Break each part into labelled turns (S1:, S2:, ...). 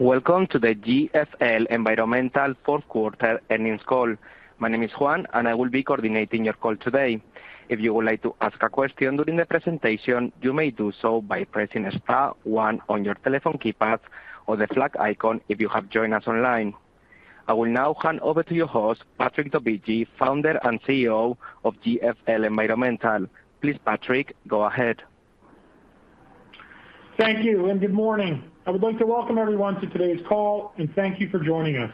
S1: Welcome to the GFL Environmental fourth quarter earnings call. My name is Juan, and I will be coordinating your call today. If you would like to ask a question during the presentation, you may do so by pressing star one on your telephone keypad or the flag icon if you have joined us online. I will now hand over to your host, Patrick Dovigi, Founder and CEO of GFL Environmental. Please, Patrick, go ahead.
S2: Thank you, and good morning. I would like to welcome everyone to today's call and thank you for joining us.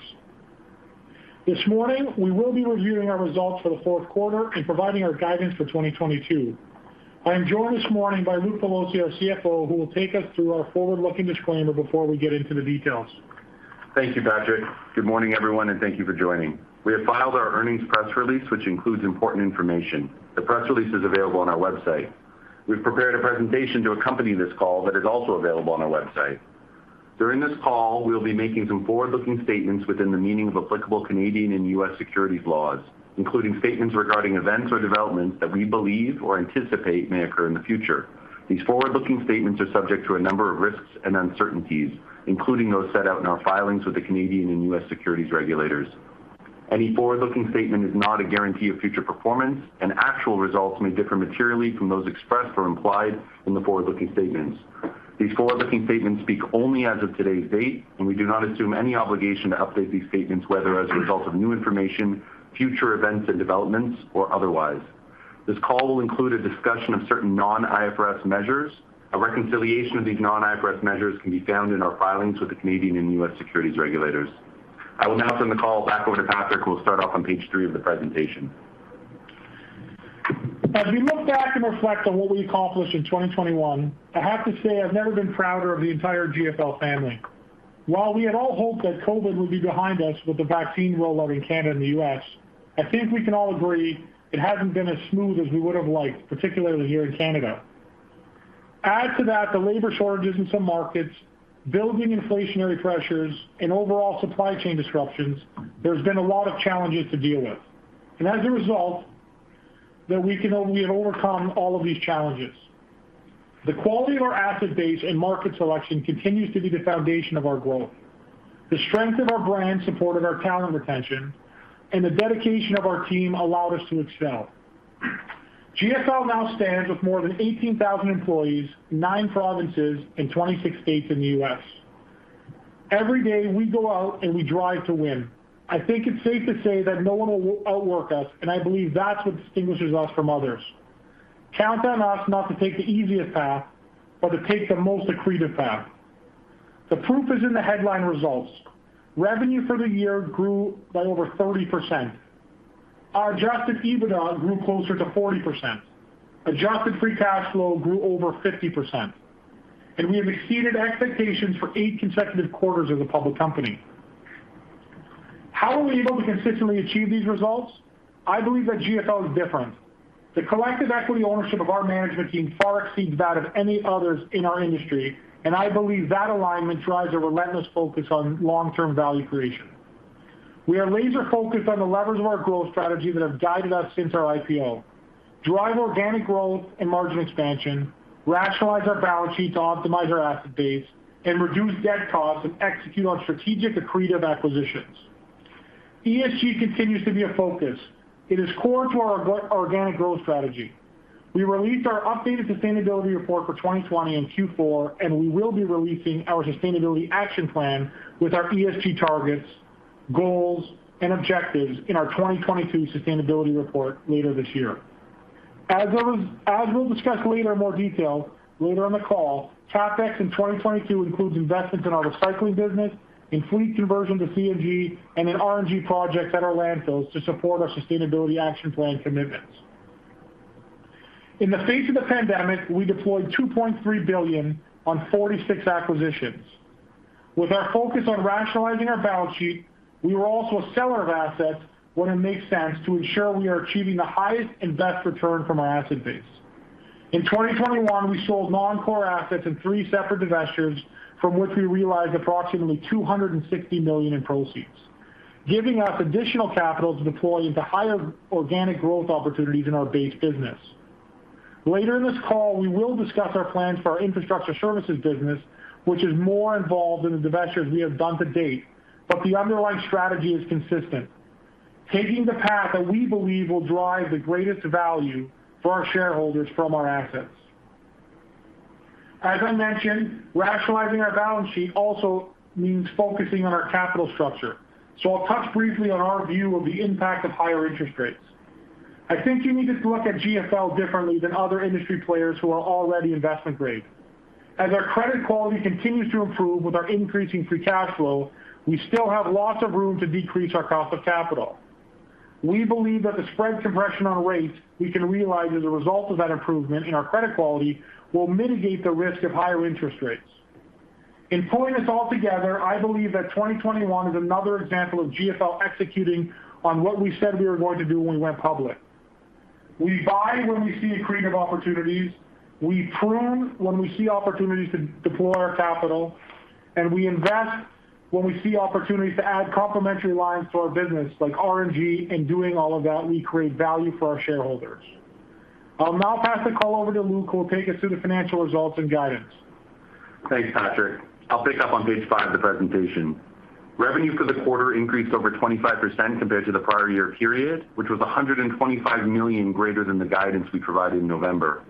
S2: This morning, we will be reviewing our results for the fourth quarter and providing our guidance for 2022. I am joined this morning by Luke Pelosi, our CFO, who will take us through our forward-looking disclaimer before we get into the details.
S3: Thank you, Patrick. Good morning, everyone, and thank you for joining. We have filed our earnings press release, which includes important information. The press release is available on our website. We've prepared a presentation to accompany this call that is also available on our website. During this call, we'll be making some forward-looking statements within the meaning of applicable Canadian and U.S. securities laws, including statements regarding events or developments that we believe or anticipate may occur in the future. These forward-looking statements are subject to a number of risks and uncertainties, including those set out in our filings with the Canadian and U.S. securities regulators. Any forward-looking statement is not a guarantee of future performance, and actual results may differ materially from those expressed or implied in the forward-looking statements. These forward-looking statements speak only as of today's date, and we do not assume any obligation to update these statements, whether as a result of new information, future events and developments, or otherwise. This call will include a discussion of certain non-IFRS measures. A reconciliation of these non-IFRS measures can be found in our filings with the Canadian and U.S. securities regulators. I will now turn the call back over to Patrick, who will start off on page three of the presentation.
S2: As we look back and reflect on what we accomplished in 2021, I have to say I've never been prouder of the entire GFL family. While we had all hoped that COVID would be behind us with the vaccine rollout in Canada and the U.S., I think we can all agree it hasn't been as smooth as we would have liked, particularly here in Canada. Add to that the labor shortages in some markets, building inflationary pressures, and overall supply chain disruptions, there's been a lot of challenges to deal with. As a result, we were able to overcome all of these challenges. The quality of our asset base and market selection continues to be the foundation of our growth. The strength of our brand supported our talent retention, and the dedication of our team allowed us to excel. GFL now stands with more than 18,000 employees, nine provinces, and 26 states in the U.S. Every day, we go out, and we drive to win. I think it's safe to say that no one will outwork us, and I believe that's what distinguishes us from others. Count on us not to take the easiest path, but to take the most accretive path. The proof is in the headline results. Revenue for the year grew by over 30%. Our adjusted EBITDA grew closer to 40%. Adjusted free cash flow grew over 50%. We have exceeded expectations for eight consecutive quarters as a public company. How are we able to consistently achieve these results? I believe that GFL is different. The collective equity ownership of our management team far exceeds that of any others in our industry, and I believe that alignment drives a relentless focus on long-term value creation. We are laser-focused on the levers of our growth strategy that have guided us since our IPO. Drive organic growth and margin expansion, rationalize our balance sheet to optimize our asset base, and reduce debt costs and execute on strategic accretive acquisitions. ESG continues to be a focus. It is core to our organic growth strategy. We released our updated sustainability report for 2020 in Q4, and we will be releasing our sustainability action plan with our ESG targets, goals, and objectives in our 2022 sustainability report later this year. As we'll discuss later in more detail later on the call, CapEx in 2022 includes investments in our recycling business, in fleet conversion to CNG, and in RNG projects at our landfills to support our sustainability action plan commitments. In the face of the pandemic, we deployed 2.3 billion on 46 acquisitions. With our focus on rationalizing our balance sheet, we were also a seller of assets when it makes sense to ensure we are achieving the highest and best return from our asset base. In 2021, we sold non-core assets in three separate divestitures from which we realized approximately 260 million in proceeds, giving us additional capital to deploy into higher organic growth opportunities in our base business. Later in this call, we will discuss our plans for our infrastructure services business, which is more involved in the divestitures we have done to date, but the underlying strategy is consistent, taking the path that we believe will drive the greatest value for our shareholders from our assets. As I mentioned, rationalizing our balance sheet also means focusing on our capital structure. I'll touch briefly on our view of the impact of higher interest rates. I think you need to look at GFL differently than other industry players who are already investment grade. As our credit quality continues to improve with our increasing free cash flow, we still have lots of room to decrease our cost of capital. We believe that the spread compression on rates we can realize as a result of that improvement in our credit quality will mitigate the risk of higher interest rates. In pulling this all together, I believe that 2021 is another example of GFL executing on what we said we were going to do when we went public. We buy when we see accretive opportunities. We prune when we see opportunities to deploy our capital. We invest when we see opportunities to add complementary lines to our business like RNG. In doing all of that, we create value for our shareholders. I'll now pass the call over to Luke, who will take us through the financial results and guidance.
S3: Thanks, Patrick. I'll pick up on page five of the presentation. Revenue for the quarter increased over 25% compared to the prior year period, which was 125 million greater than the guidance we provided in November.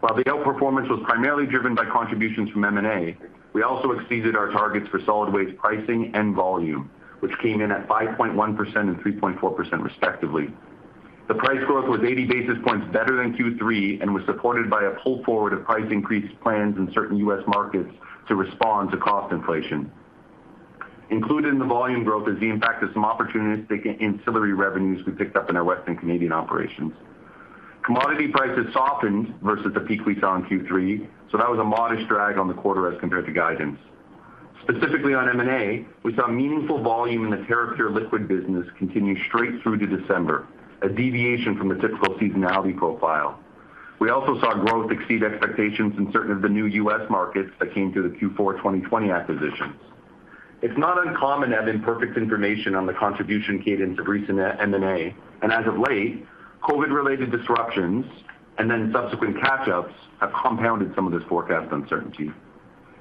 S3: While the outperformance was primarily driven by contributions from M&A, we also exceeded our targets for solid waste pricing and volume, which came in at 5.1% and 3.4% respectively. The price growth was 80 basis points better than Q3 and was supported by a pull forward of price increase plans in certain U.S. markets to respond to cost inflation. Included in the volume growth is the impact of some opportunistic ancillary revenues we picked up in our Western Canadian operations. Commodity prices softened versus the peak we saw in Q3, so that was a modest drag on the quarter as compared to guidance. Specifically on M&A, we saw meaningful volume in the Terrapure liquid business continue straight through to December, a deviation from the typical seasonality profile. We also saw growth exceed expectations in certain of the new U.S. markets that came through the Q4 2020 acquisitions. It's not uncommon to have imperfect information on the contribution cadence of recent M&A, and as of late, COVID-related disruptions and then subsequent catch-ups have compounded some of this forecast uncertainty.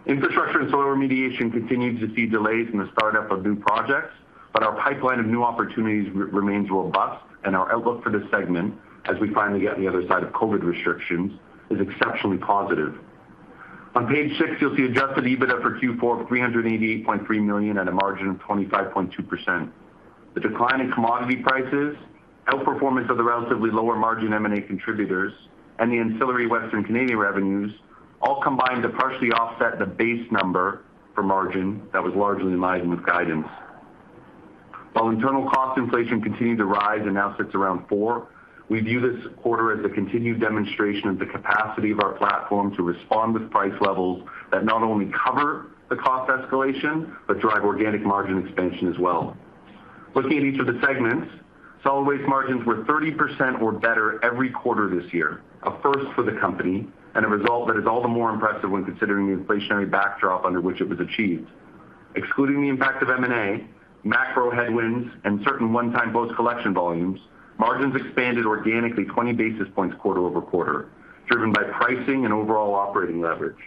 S3: Infrastructure and soil remediation continued to see delays in the start-up of new projects, but our pipeline of new opportunities remains robust and our outlook for this segment, as we finally get on the other side of COVID restrictions, is exceptionally positive. On page six, you'll see adjusted EBITDA for Q4 of 388.3 million at a margin of 25.2%. The decline in commodity prices, outperformance of the relatively lower margin M&A contributors, and the ancillary Western Canadian revenues all combined to partially offset the base number for margin that was largely in line with guidance. While internal cost inflation continued to rise and now sits around 4%, we view this quarter as a continued demonstration of the capacity of our platform to respond with price levels that not only cover the cost escalation, but drive organic margin expansion as well. Looking at each of the segments, solid waste margins were 30% or better every quarter this year, a first for the company, and a result that is all the more impressive when considering the inflationary backdrop under which it was achieved. Excluding the impact of M&A, macro headwinds, and certain one-time post-collection volumes, margins expanded organically 20 basis points quarter over quarter, driven by pricing and overall operating leverage.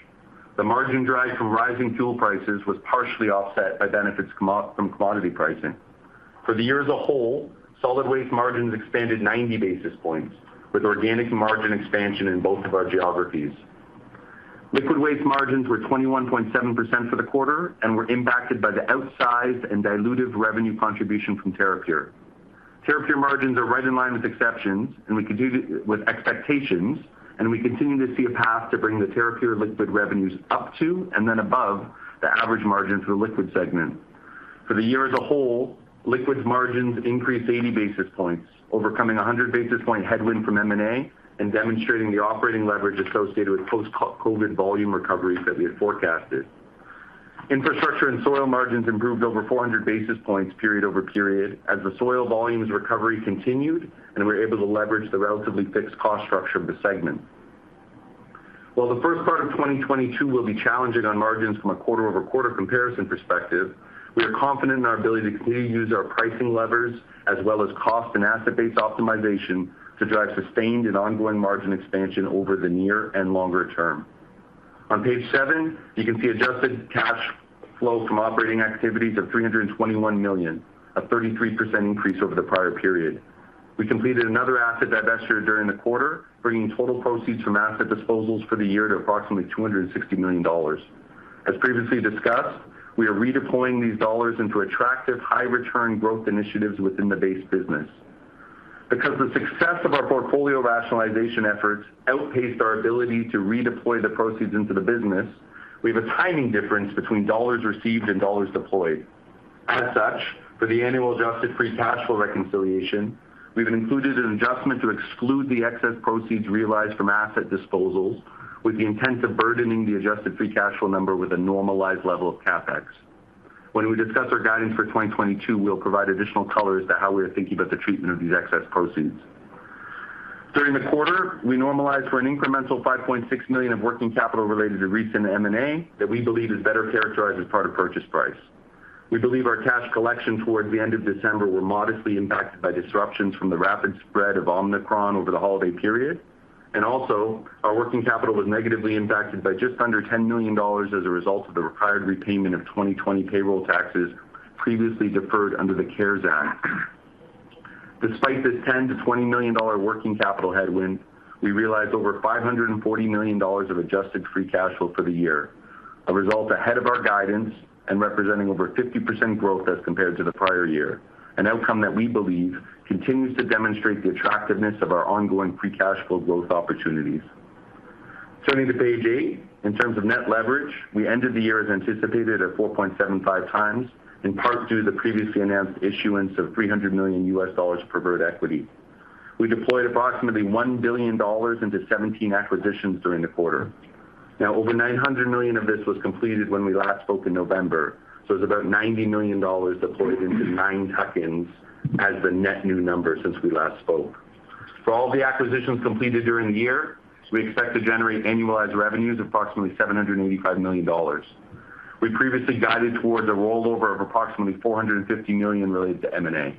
S3: The margin drag from rising fuel prices was partially offset by benefits from commodity pricing. For the year as a whole, solid waste margins expanded 90 basis points, with organic margin expansion in both of our geographies. Liquid waste margins were 21.7% for the quarter and were impacted by the outsized and dilutive revenue contribution from Terrapure. Terrapure margins are right in line with expectations, and we continue to see a path to bring the Terrapure liquid revenues up to and then above the average margin for the liquid segment. For the year as a whole, liquids margins increased 80 basis points, overcoming a 100 basis point headwind from M&A and demonstrating the operating leverage associated with post-COVID volume recoveries that we had forecasted. Infrastructure and soil margins improved over 400 basis points period over period as the soil volumes recovery continued, and we were able to leverage the relatively fixed cost structure of the segment. While the first part of 2022 will be challenging on margins from a quarter-over-quarter comparison perspective, we are confident in our ability to continue to use our pricing levers as well as cost and asset-based optimization to drive sustained and ongoing margin expansion over the near and longer term. On page seven, you can see adjusted cash flow from operating activities of 321 million, a 33% increase over the prior period. We completed another asset divestiture during the quarter, bringing total proceeds from asset disposals for the year to approximately 260 million dollars. As previously discussed, we are redeploying these dollars into attractive high return growth initiatives within the base business. Because the success of our portfolio rationalization efforts outpaced our ability to redeploy the proceeds into the business, we have a timing difference between dollars received and dollars deployed. As such, for the annual adjusted free cash flow reconciliation, we've included an adjustment to exclude the excess proceeds realized from asset disposals with the intent of burdening the adjusted free cash flow number with a normalized level of CapEx. When we discuss our guidance for 2022, we'll provide additional color as to how we are thinking about the treatment of these excess proceeds. During the quarter, we normalized for an incremental 5.6 million of working capital related to recent M&A that we believe is better characterized as part of purchase price. We believe our cash collection toward the end of December were modestly impacted by disruptions from the rapid spread of Omicron over the holiday period. And also, our working capital was negatively impacted by just under 10 million dollars as a result of the required repayment of 2020 payroll taxes previously deferred under the CARES Act. Despite this 10 million-20 million dollar working capital headwind, we realized over 540 millions dollars of adjusted free cash flow for the year, a result ahead of our guidance and representing over 50% growth as compared to the prior year, an outcome that we believe continues to demonstrate the attractiveness of our ongoing free cash flow growth opportunities. Turning to page eight, in terms of net leverage, we ended the year as anticipated at 4.75x, in part due to the previously announced issuance of $300 million preferred equity. We deployed approximately 1 billion dollars into 17 acquisitions during the quarter. Now, over 900 millions of this was completed when we last spoke in November, so it's about 90 million dollars deployed into nine tuck-ins as the net new number since we last spoke. For all the acquisitions completed during the year, we expect to generate annualized revenues of approximately 785 million dollars. We previously guided towards a rollover of approximately 450 million related to M&A.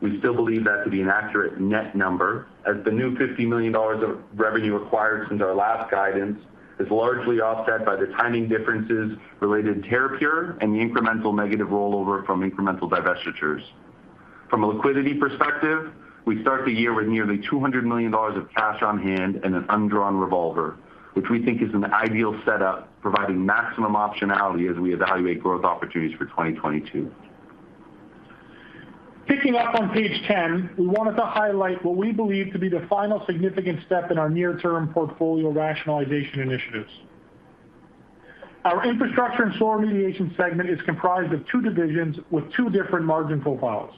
S3: We still believe that to be an accurate net number as the new 50 million dollars of revenue acquired since our last guidance is largely offset by the timing differences related to Terrapure and the incremental negative rollover from incremental divestitures. From a liquidity perspective, we start the year with nearly 200 million dollars of cash on hand and an undrawn revolver, which we think is an ideal setup, providing maximum optionality as we evaluate growth opportunities for 2022.
S2: Picking up on page 10, we wanted to highlight what we believe to be the final significant step in our near-term portfolio rationalization initiatives. Our infrastructure and soil remediation segment is comprised of two divisions with two different margin profiles,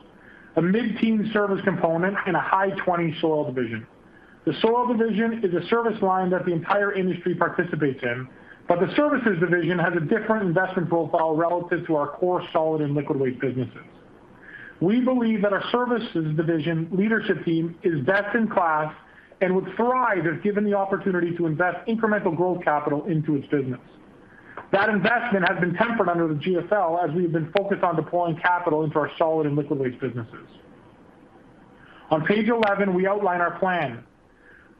S2: That investment has been tempered under the GFL as we have been focused on deploying capital into our solid and liquid waste businesses. On page 11, we outline our plan.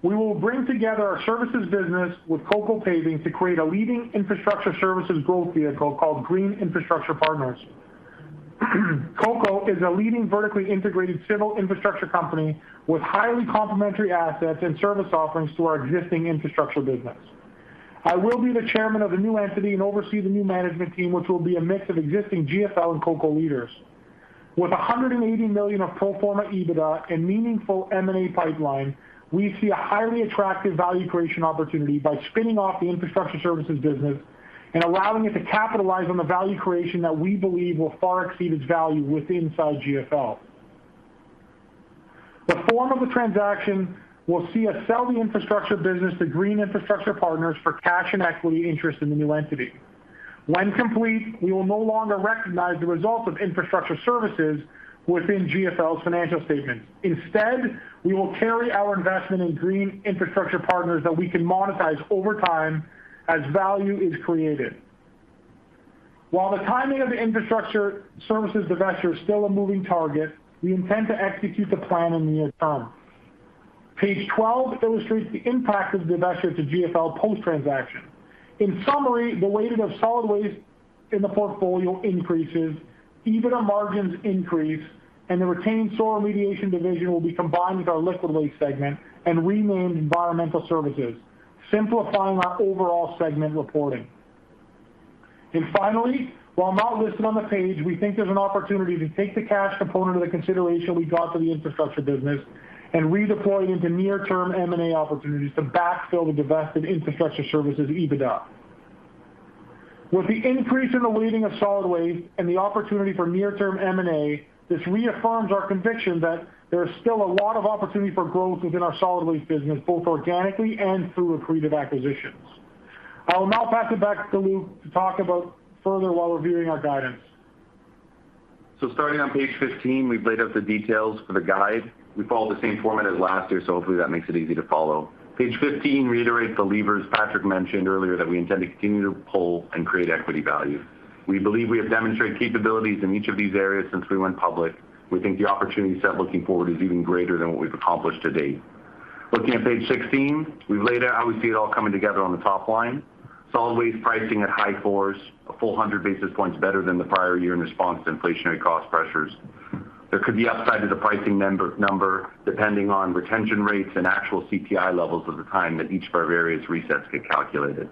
S2: We will bring together our services business with Coco Paving to create a leading infrastructure services growth vehicle called Green Infrastructure Partners. Coco is a leading vertically integrated civil infrastructure company with highly complementary assets and service offerings to our existing infrastructure business. I will be the chairman of the new entity and oversee the new management team, which will be a mix of existing GFL and Coco leaders. With 180 million of pro forma EBITDA and meaningful M&A pipeline, we see a highly attractive value creation opportunity by spinning off the infrastructure services business and allowing it to capitalize on the value creation that we believe will far exceed its value within GFL. The form of the transaction will see us sell the infrastructure business to Green Infrastructure Partners for cash and equity interest in the new entity. When complete, we will no longer recognize the results of infrastructure services within GFL's financial statements. Instead, we will carry our investment in Green Infrastructure Partners that we can monetize over time as value is created. While the timing of the infrastructure services divestiture is still a moving target, we intend to execute the plan in the near term. Page 12 illustrates the impact of divestiture to GFL post-transaction. In summary, the weighting of solid waste in the portfolio increases, EBITDA margins increase, and the retained soil remediation division will be combined with our liquid waste segment and renamed Environmental Services, simplifying our overall segment reporting. Finally, while not listed on the page, we think there's an opportunity to take the cash component of the consideration we got for the infrastructure business and redeploy it into near-term M&A opportunities to backfill the divested infrastructure services EBITDA. With the increase in the weighting of solid waste and the opportunity for near-term M&A, this reaffirms our conviction that there is still a lot of opportunity for growth within our solid waste business, both organically and through accretive acquisitions. I will now pass it back to Luke to talk about further while reviewing our guidance.
S3: Starting on page 15, we've laid out the details for the guide. We followed the same format as last year, so hopefully that makes it easy to follow. Page 15 reiterates the levers Patrick mentioned earlier that we intend to continue to pull and create equity value. We believe we have demonstrated capabilities in each of these areas since we went public. We think the opportunity set looking forward is even greater than what we've accomplished to date. Looking at page 16, we've laid out how we see it all coming together on the top line. Solid waste pricing at high fours, a full 100 basis points better than the prior year in response to inflationary cost pressures. There could be upside to the pricing number, depending on retention rates and actual CPI levels at the time that each of our various resets get calculated.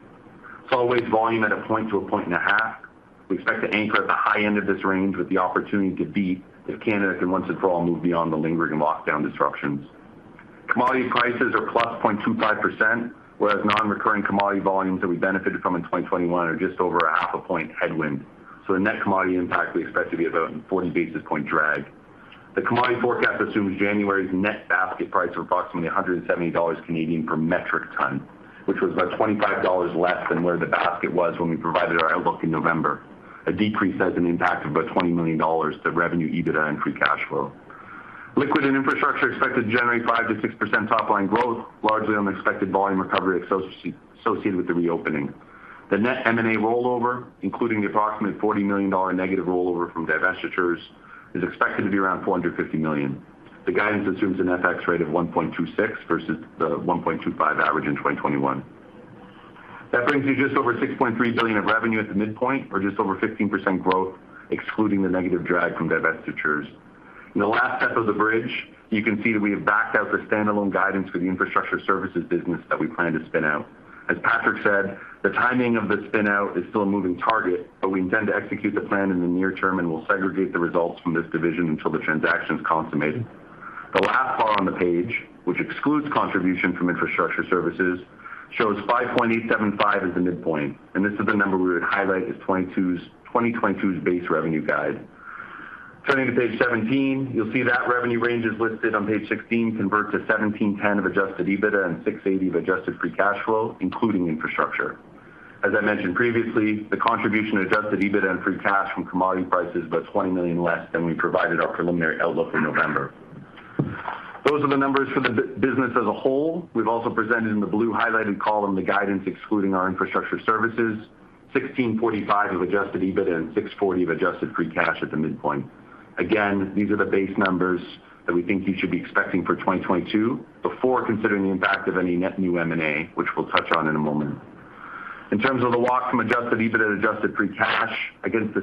S3: Solid waste volume 1 point-1.5 points. We expect to anchor at the high end of this range with the opportunity to beat if Canada can once and for all move beyond the lingering lockdown disruptions. Commodity prices are +0.25%, whereas non-recurring commodity volumes that we benefited from in 2021 are just over 0.5 point headwind. The net commodity impact we expect to be about 40 basis point drag. The commodity forecast assumes January's net basket price of approximately 170 Canadian dollars per metric ton, which was about 25 dollars less than where the basket was when we provided our outlook in November, a decrease that has an impact of about 20 million dollars to revenue, EBITDA, and free cash flow. Liquid and infrastructure expected to generate 5%-6% top line growth, largely on the expected volume recovery associated with the reopening. The net M&A rollover, including the approximate 40 million dollar negative rollover from divestitures, is expected to be around 450 million. The guidance assumes an FX rate of 1.26 versus the 1.25 average in 2021. That brings you just over 6.3 billion of revenue at the midpoint, or just over 15% growth, excluding the negative drag from divestitures. In the last step of the bridge, you can see that we have backed out the standalone guidance for the infrastructure services business that we plan to spin out. As Patrick said, the timing of the spin-out is still a moving target, but we intend to execute the plan in the near term, and we'll segregate the results from this division until the transaction's consummated. The last bar on the page, which excludes contribution from infrastructure services, shows 5.875 billion as the midpoint, and this is the number we would highlight as 2022's base revenue guide. Turning to page 17, you'll see that revenue range is listed on page 16 converts to 170 millions of adjusted EBITDA and 680 millions of adjusted free cash flow, including infrastructure. As I mentioned previously, the contribution of adjusted EBITDA and free cash from commodity prices is about 20 million less than we provided our preliminary outlook in November. Those are the numbers for the business as a whole. We've also presented in the blue highlighted column the guidance excluding our infrastructure services, 1,645 million of adjusted EBITDA and 640 millions of adjusted free cash at the midpoint. These are the base numbers that we think you should be expecting for 2022 before considering the impact of any net new M&A, which we'll touch on in a moment. In terms of the walk from adjusted EBITDA to adjusted free cash, against the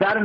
S3: CAD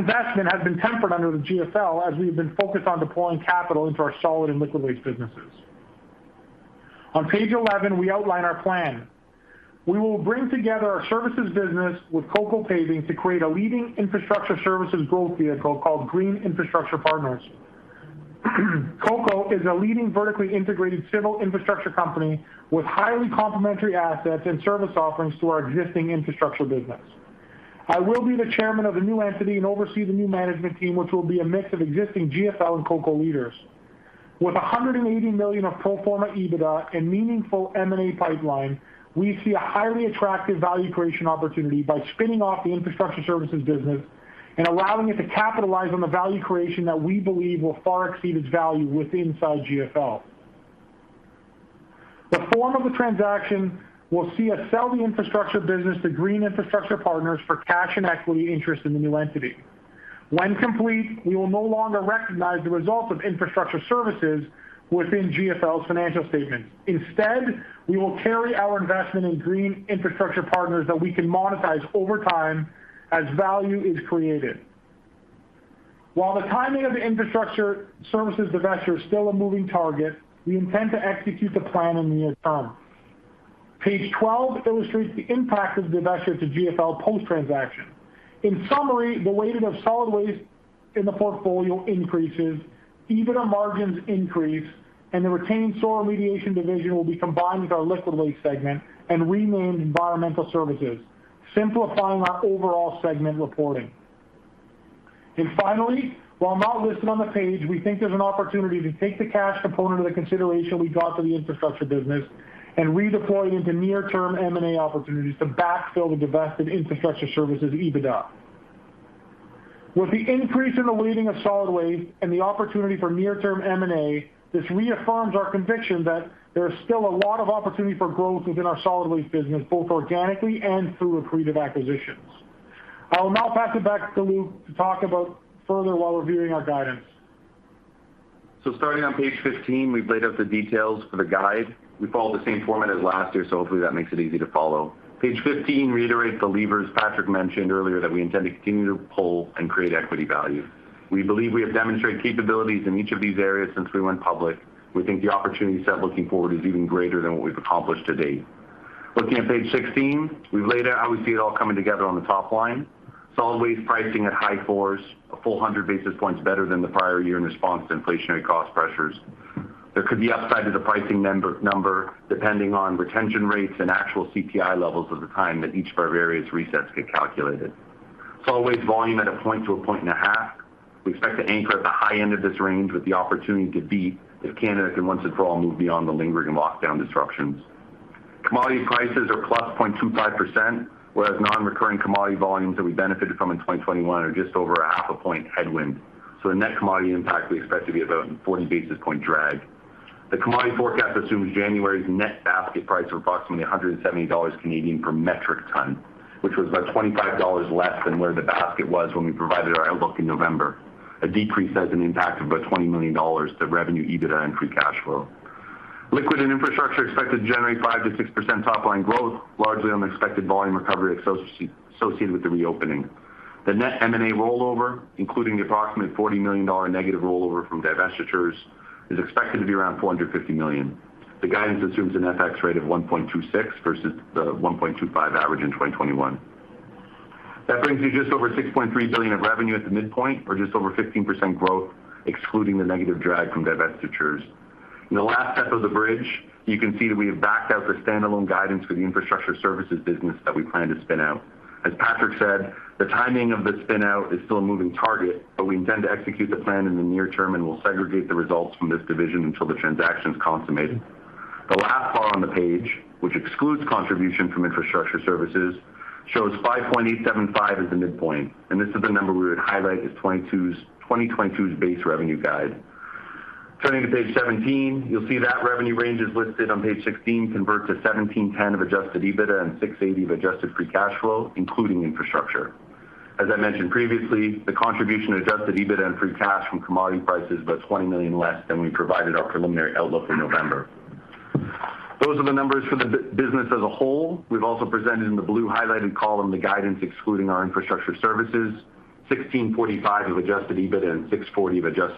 S3: 1,645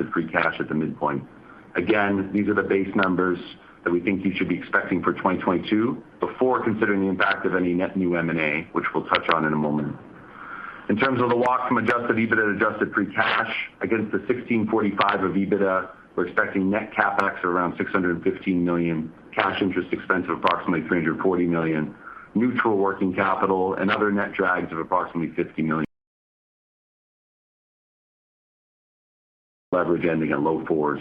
S3: million of EBITDA, we're expecting net CapEx of around 615 million, cash interest expense of approximately 340 million, neutral working capital, and other net drags of approximately 50 million, leverage ending at low fours.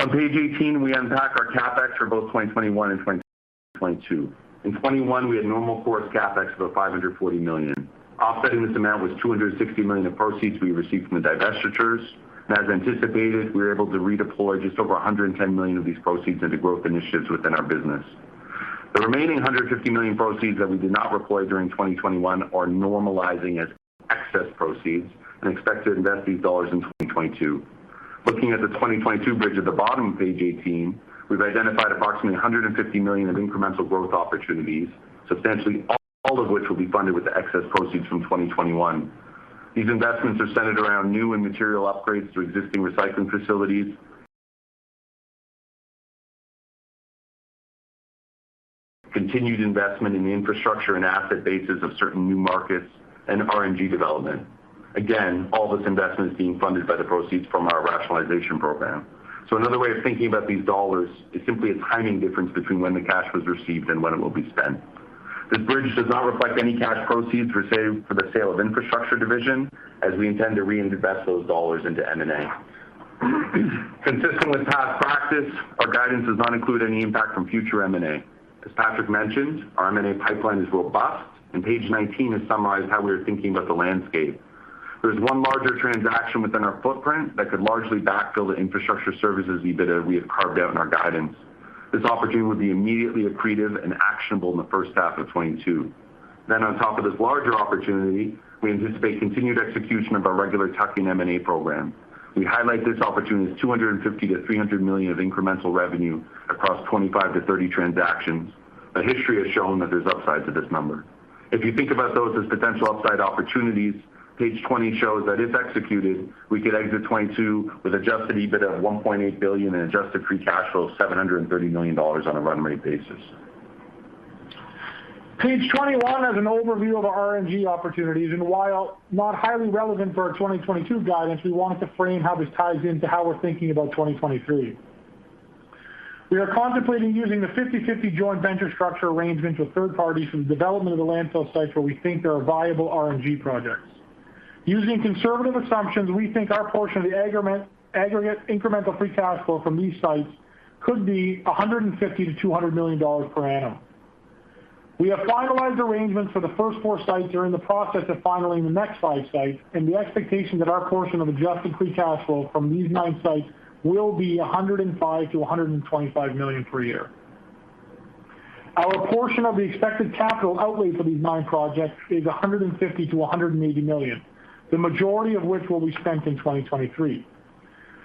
S3: On page 18, we unpack our CapEx for both 2021 and 2022. In 2021, we had normal course CapEx of about 540 million. Offsetting this amount was 260 millions of proceeds we received from the divestitures. As anticipated, we were able to redeploy just over 110 millions of these proceeds into growth initiatives within our business. The remaining 150 million proceeds that we did not deploy during 2021 are normalizing as excess proceeds and we expect to invest these dollars in 2022. Looking at the 2022 bridge at the bottom of page 18, we've identified approximately 150 millions of incremental growth opportunities, substantially all of which will be funded with the excess proceeds from 2021. These investments are centered around new and material upgrades to existing recycling facilities, continued investment in the infrastructure and asset bases of certain new markets, and RNG development. Again, all this investment is being funded by the proceeds from our rationalization program. Another way of thinking about these dollars is simply a timing difference between when the cash was received and when it will be spent. This bridge does not reflect any cash proceeds for the sale of infrastructure division, as we intend to reinvest those dollars into M&A. Consistent with past practice, our guidance does not include any impact from future M&A. As Patrick mentioned, our M&A pipeline is robust, and page 19 has summarized how we are thinking about the landscape. There's one larger transaction within our footprint that could largely backfill the infrastructure services EBITDA we have carved out in our guidance. This opportunity would be immediately accretive and actionable in the first half of 2022. On top of this larger opportunity, we anticipate continued execution of our regular tuck-in M&A program. We highlight this opportunity as 250 million-300 millions of incremental revenue across 25-30 transactions, but history has shown that there's upsides to this number. If you think about those as potential upside opportunities, page 20 shows that if executed, we could exit 2022 with adjusted EBITDA of 1.8 billion and adjusted free cash flow of 730 million dollars on a run rate basis.
S2: Page 21 has an overview of the RNG opportunities, and while not highly relevant for our 2022 guidance, we wanted to frame how these ties into how we're thinking about 2023. We are contemplating using the 50/50 joint venture structure arrangement with third parties for the development of the landfill sites where we think there are viable RNG projects. Using conservative assumptions, we think our portion of the aggregate incremental free cash flow from these sites could be 150 million-200 million dollars per annum. We have finalized arrangements for the first four sites, are in the process of finalizing the next five sites, and the expectation that our portion of adjusted free cash flow from these nine sites will be 105 million-125 million per year. Our portion of the expected capital outlay for these nine projects is 150-180 million, the majority of which will be spent in 2023.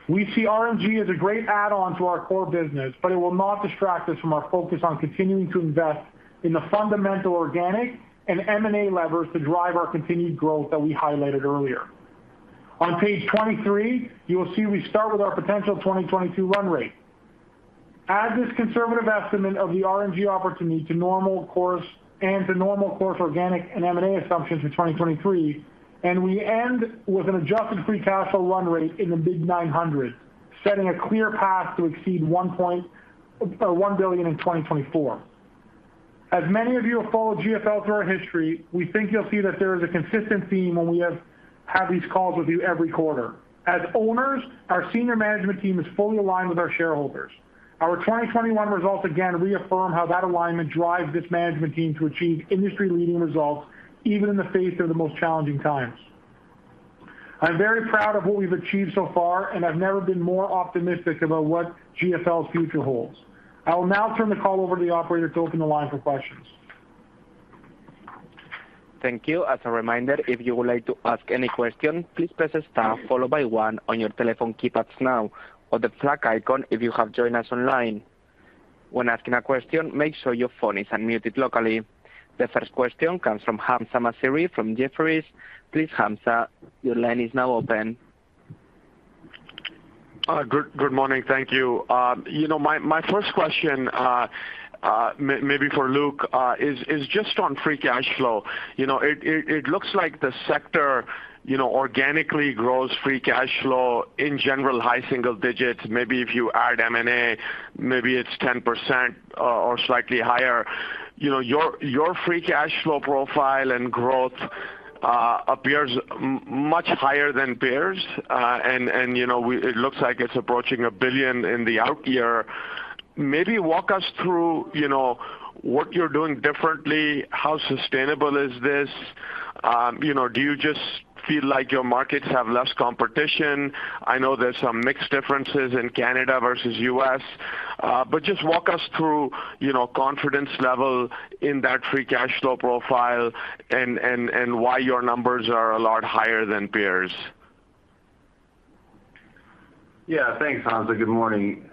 S2: We see RNG as a great add-on to our core business, but it will not distract us from our focus on continuing to invest in the fundamental organic and M&A levers to drive our continued growth that we highlighted earlier. On page 23, you will see we start with our potential 2022 run rate. Add this conservative estimate of the RNG opportunity to normal course organic and M&A assumptions for 2023, and we end with an adjusted free cash flow run rate in the mid-900, setting a clear path to exceed 1 billion in 2024. As many of you have followed GFL through our history, we think you'll see that there is a consistent theme when we have these calls with you every quarter. As owners, our senior management team is fully aligned with our shareholders. Our 2021 results again reaffirm how that alignment drives this management team to achieve industry-leading results, even in the face of the most challenging times. I'm very proud of what we've achieved so far, and I've never been more optimistic about what GFL's future holds. I will now turn the call over to the operator to open the line for questions.
S1: Thank you. As a reminder, if you would like to ask any question, please press star followed by one on your telephone keypads now, or the flag icon if you have joined us online. When asking a question, make sure your phone is unmuted locally. The first question comes from Hamzah Mazari from Jefferies. Please, Hamzah, your line is now open.
S4: Good morning. Thank you. You know, my first question, maybe for Luke, is just on free cash flow. You know, it looks like the sector, you know, organically grows free cash flow in general high single digits, maybe if you add M&A, maybe it's 10%, or slightly higher. You know, your free cash flow profile and growth appear much higher than peers. You know, it looks like it's approaching 1 billion in the out year. Maybe walk us through, you know, what you're doing differently, how sustainable is this? You know, do you just feel like your markets have less competition? I know there's some mixed differences in Canada versus U.S. Just walk us through, you know, confidence level in that free cash flow profile and why your numbers are a lot higher than peers.
S3: Yeah. Thanks, Hamzah. Good morning.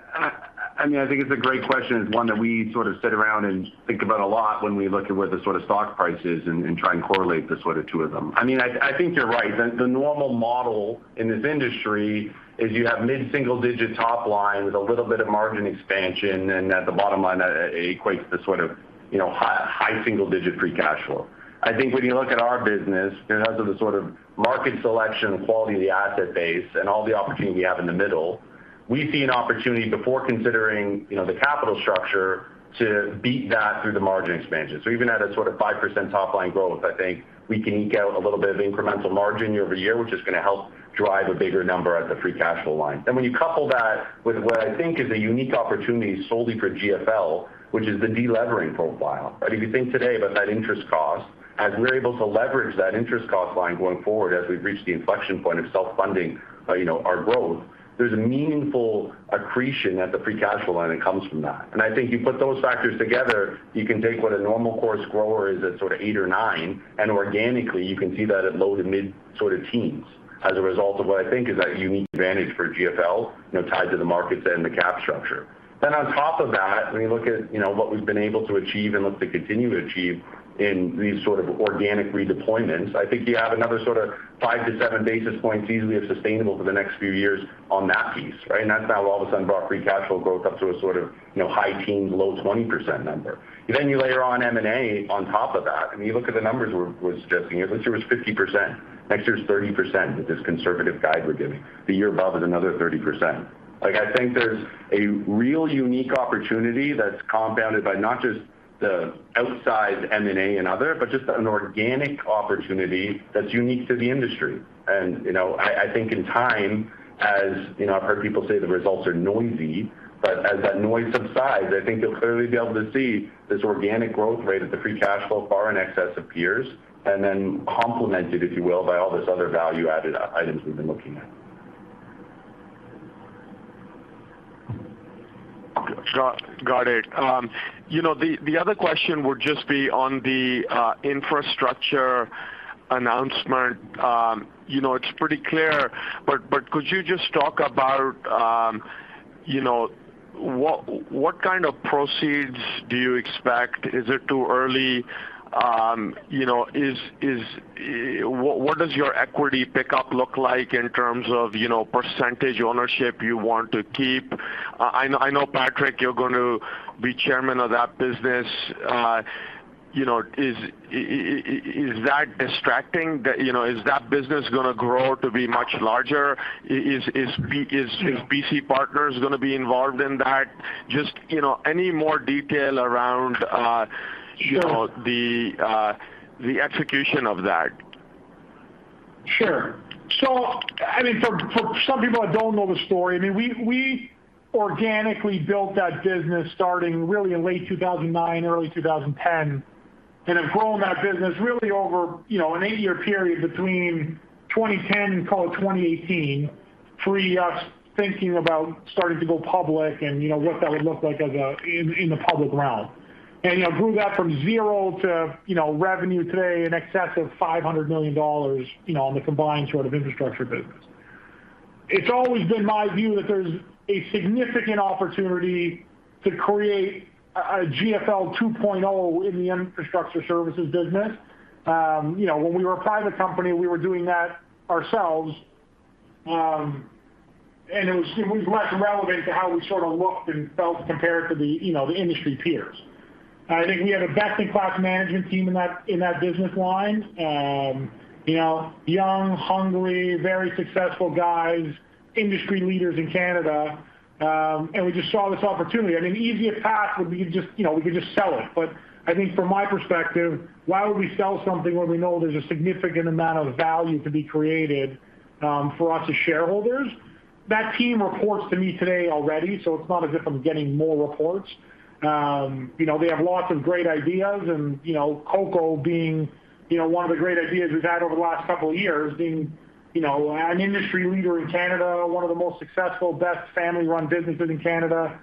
S3: I mean, I think it's a great question. It's one that we sort of sit around and think about a lot when we look at where the sort of stock price is and try and correlate the sort of two of them. I mean, I think you're right. The normal model in this industry is you have mid-single-digit top line with a little bit of margin expansion, and at the bottom line, that equates to sort of, you know, high single-digit free cash flow. I think when you look at our business, you know, because of the sort of market selection, quality of the asset base, and all the opportunity we have in the middle, we see an opportunity before considering, you know, the capital structure to beat that through the margin expansion. Even at a sort of 5% top line growth, I think we can eke out a little bit of incremental margin year-over-year, which is going to help drive a bigger number at the free cash flow line. When you couple that with what I think is a unique opportunity solely for GFL, which is the delevering profile, right? If you think today about that interest cost, as we're able to leverage that interest cost line going forward as we've reached the inflection point of self-funding, you know, our growth, there's a meaningful accretion at the free cash flow line that comes from that. I think you put those factors together, you can take what a normal course grower is at sort of 8%-9%, and organically, you can see that at low- to mid-teens as a result of what I think is a unique advantage for GFL, you know, tied to the markets and the capital structure. On top of that, when you look at, you know, what we've been able to achieve and look to continue to achieve in these sort of organic redeployments, I think you have another sort of 5-7 basis points easily of sustainable for the next few years on that piece, right? That's now all of a sudden brought free cash flow growth up to a sort of, you know, high teens, low 20% number. You layer on M&A on top of that, and you look at the numbers we're suggesting here. This year was 50%. Next year's 30% with this conservative guide we're giving. The year above is another 30%. Like, I think there's a real unique opportunity that's compounded by not just the outsized M&A and other, but just an organic opportunity that's unique to the industry. You know, I think in time, as you know, I've heard people say the results are noisy, but as that noise subsides, I think you'll clearly be able to see this organic growth rate and the free cash flow far in excess of peers and then complemented, if you will, by all this other value-added items we've been looking at.
S4: Got it. You know, the other question would just be on the infrastructure announcement. You know, it's pretty clear, but could you just talk about you know, what kind of proceeds do you expect? Is it too early? You know, what does your equity pickup look like in terms of you know, percentage ownership you want to keep? I know Patrick, you're going to be chairman of that business. You know, is that distracting? That you know, is that business going to grow to be much larger? Is BC Partners going to be involved in that? Just you know, any more detail around you know.
S2: Sure
S4: the execution of that.
S2: Sure. I mean, for some people that don't know the story, I mean, we organically built that business starting really in late 2009, early 2010, and have grown that business really over, you know, an eight-year period between 2010 and call it 2018, pre-us thinking about starting to go public and, you know, what that would look like in the public realm. I mean, grew that from zero to, you know, revenue today in excess of 500 million dollars, you know, on the combined sort of infrastructure business. It's always been my view that there's a significant opportunity to create a GFL 2.0 in the infrastructure services business. You know, when we were a private company, we were doing that ourselves, and it was less relevant to how we sort of looked and felt compared to the, you know, the industry peers. I think we had a best-in-class management team in that business line. You know, young, hungry, very successful guys, industry leaders in Canada. And we just saw this opportunity. I mean, the easiest path would be just, you know, we could just sell it. But I think from my perspective, why would we sell something when we know there's a significant amount of value to be created, for us as shareholders? That team reports to me today already, so it's not as if I'm getting more reports. You know, they have lots of great ideas and, you know, Coco being one of the great ideas we've had over the last couple of years, an industry leader in Canada, one of the most successful, best family-run businesses in Canada.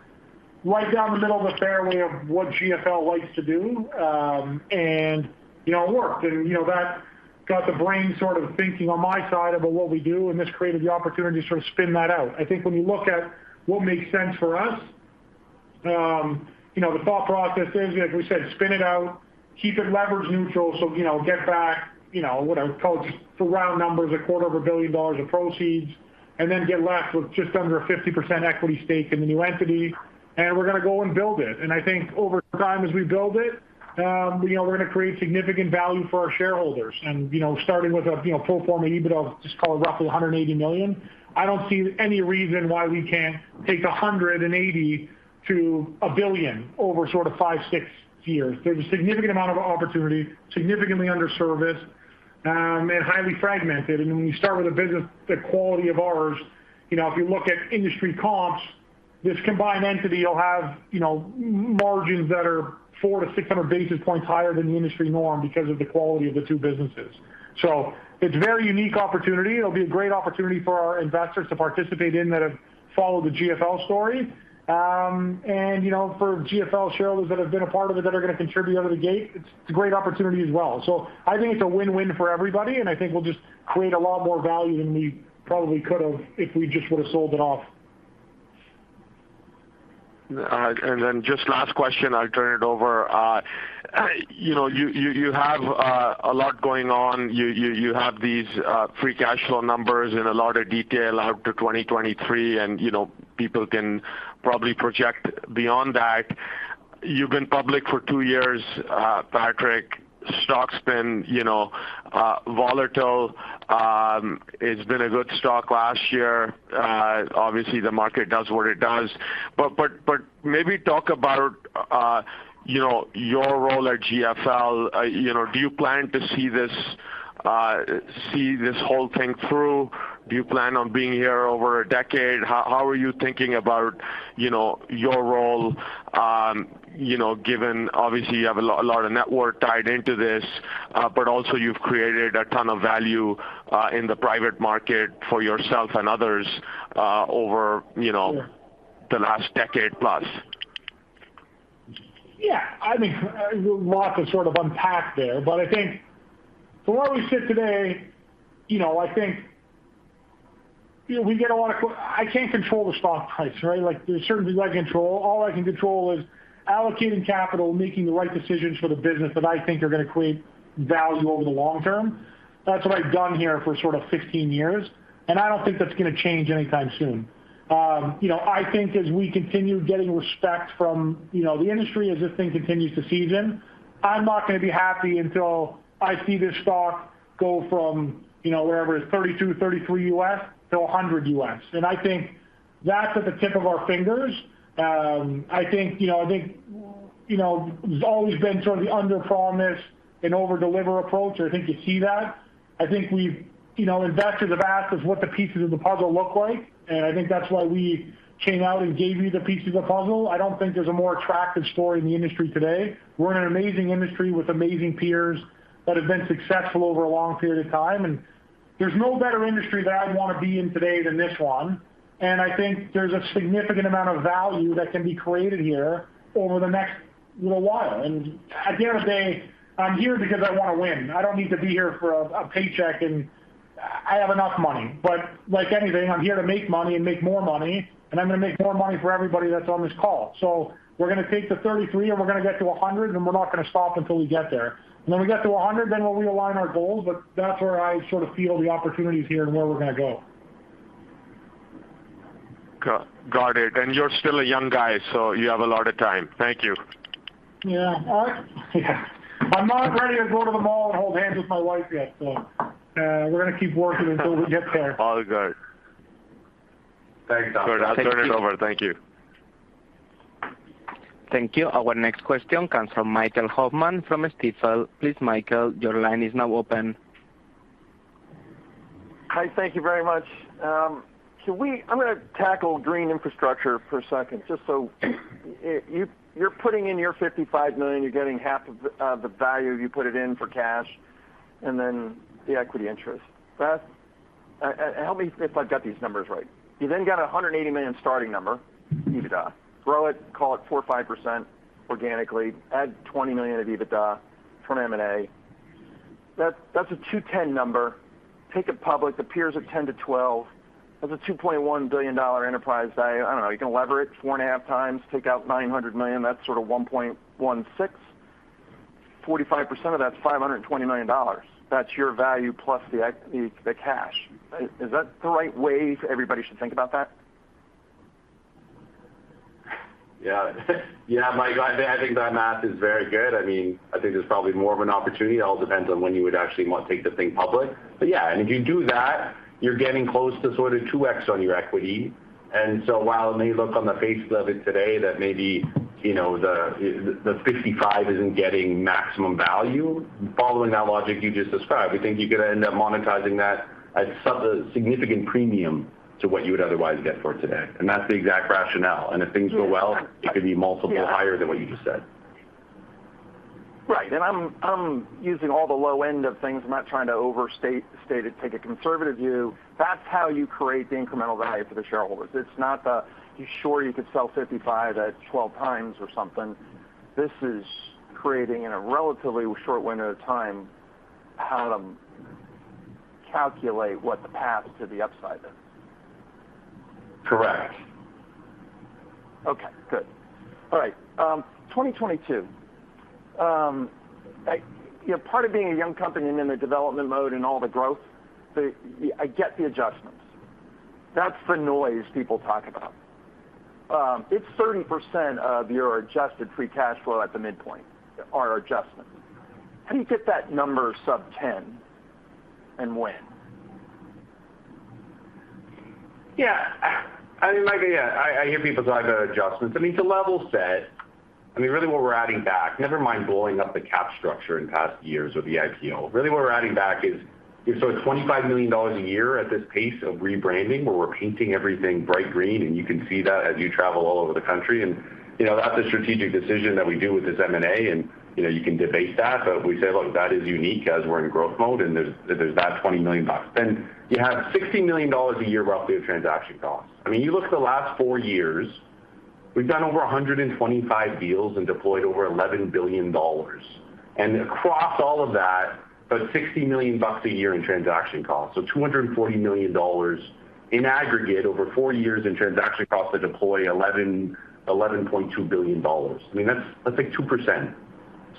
S2: Right down the middle of the fairway of what GFL likes to do. You know, it worked and, you know, that got the brain sort of thinking on my side about what we do, and this created the opportunity to sort of spin that out. I think when you look at what makes sense for us, you know, the thought process is, as we said, spin it out, keep it leverage neutral. You know, get back, you know, what I would call just for round numbers, a quarter of a billion dollars of proceeds, and then get left with just under a 50% equity stake in the new entity, and we're gonna go and build it. I think over time, as we build it, you know, we're gonna create significant value for our shareholders. You know, starting with a full form EBITDA of just call it roughly 180 million, I don't see any reason why we can't take 180 million to 1 billion over sort of five to six years. There's a significant amount of opportunity, significantly underserviced, and highly fragmented. When you start with a business the quality of ours, you know, if you look at industry comps, this combined entity will have, you know, margins that are 400-600 basis points higher than the industry norm because of the quality of the two businesses. It's a very unique opportunity. It'll be a great opportunity for our investors to participate in that have followed the GFL story. You know, for GFL shareholders that have been a part of it, that are gonna contribute out of the gate, it's a great opportunity as well. I think it's a win-win for everybody, and I think we'll just create a lot more value than we probably could have if we just would've sold it off.
S4: All right. Just last question, I'll turn it over. You know, you have a lot going on. You have these free cash flow numbers and a lot of detail out to 2023, and, you know, people can probably project beyond that. You've been public for two years, Patrick. Stock's been, you know, volatile. It's been a good stock last year. Obviously the market does what it does. But maybe talk about, you know, your role at GFL. You know, do you plan to see this whole thing through? Do you plan on being here over a decade? How are you thinking about, you know, your role, you know, given obviously you have a lot of net worth tied into this, but also you've created a ton of value in the private market for yourself and others, over, you know.
S2: Sure
S4: the last decade plus.
S2: Yeah, I mean, lots to sort of unpack there, but I think from where we sit today, you know, I think, you know, I can't control the stock price, right? Like there's certain things I control. All I can control is allocating capital, making the right decisions for the business that I think are going to create value over the long term. That's what I've done here for sort of 15 years, and I don't think that's going to change anytime soon. You know, I think as we continue getting respect from, you know, the industry as this thing continues to season, I'm not going to be happy until I see this stock go from, you know, wherever it's $32-$33-$100. I think that's at the tip of our fingers. I think, you know, there's always been sort of the under promise and overdeliver approach. I think you see that. I think we've; you know, investors have asked us what the pieces of the puzzle look like, and I think that's why we came out and gave you the pieces of the puzzle. I don't think there's a more attractive story in the industry today. We're in an amazing industry with amazing peers that have been successful over a long period of time, and there's no better industry that I'd want to be in today than this one, and I think there's a significant amount of value that can be created here over the next little while. At the end of the day, I'm here because I want to win. I don't need to be here for a paycheck, and I have enough money. Like anything, I'm here to make money and make more money, and I'm gonna make more money for everybody that's on this call. We're gonna take the 33 and we're gonna get to a 100, and we're not gonna stop until we get there. When we get to a 100, then we'll realign our goals, but that's where I sort of feel the opportunity is here and where we're gonna go.
S4: Got it. You're still a young guy, so you have a lot of time. Thank you.
S2: Yeah. All right. Yeah. I'm not ready to go to the mall and hold hands with my wife yet, so, we're gonna keep working until we get there.
S4: All good.
S3: Thanks, Hamzah.
S4: Good. I'll turn it over. Thank you.
S1: Thank you. Our next question comes from Michael Hoffman from Stifel. Please, Michael, your line is now open.
S5: Hi. Thank you very much. I'm gonna tackle green infrastructure for a second, just so you're putting in your 55 million, you're getting half of the value you put it in for cash, and then the equity interest. Beth, help me if I've got these numbers right. You then got a 180 million starting number, EBITDA. Grow it, call it 4% or 5% organically. Add 20 millions of EBITDA from M&A. That's a 210x number. Take it public, appears at 10x-12x. That's a 2.1 billion dollar enterprise value. I don't know, you can lever it 4.5x, take out 900 million, that's sort of 1.16 billion. 45% of that's 520 million dollars. That's your value plus the equity, the cash. Is that the right way everybody should think about that?
S3: Yeah. Yeah, Mike, I think that math is very good. I mean, I think there's probably more of an opportunity. It all depends on when you would actually want to take the thing public. Yeah, and if you do that, you're getting close to sort of 2x on your equity. While it may look on the face of it today that maybe, you know, the 55% isn't getting maximum value, following that logic you just described, we think you could end up monetizing that at a significant premium to what you would otherwise get for it today. That's the exact rationale. If things go well, it could be multiple higher than what you just said.
S5: Right. I'm using all the low end of things. I'm not trying to overstate it. Take a conservative view. That's how you create the incremental value for the shareholders. It's not that sure you could sell 55% at 12x or something. This is creating, in a relatively short window of time, how to calculate what the path to the upside is.
S3: Correct.
S5: Okay. Good. All right. 2022. You know, part of being a young company and in the development mode and all the growth, the I get the adjustments. That's the noise people talk about. It's 30% of your adjusted free cash flow at the midpoint are adjustments. How do you get that number sub-10, and when?
S3: Yeah. I mean, Mike, yeah, I hear people talk about adjustments. I mean, to level set, I mean, really what we're adding back, never mind blowing up the cap structure in past years or the IPO, really what we're adding back is, so it's 25 million dollars a year at this pace of rebranding, where we're painting everything bright green and you can see that as you travel all over the country. You know, that's a strategic decision that we do with this M&A, and, you know, you can debate that, but we say, "Look, that is unique as we're in growth mode," and there's that 20 million bucks. Then you have 60 million dollars a year roughly of transaction costs. I mean, you look at the last four years, we've done over 125 deals and deployed over 11 billion dollars. Across all of that, about 60 million bucks a year in transaction costs. 240 million dollars in aggregate over four years in transaction costs to deploy 11-11.2 billion dollars. I mean, that's like 2%.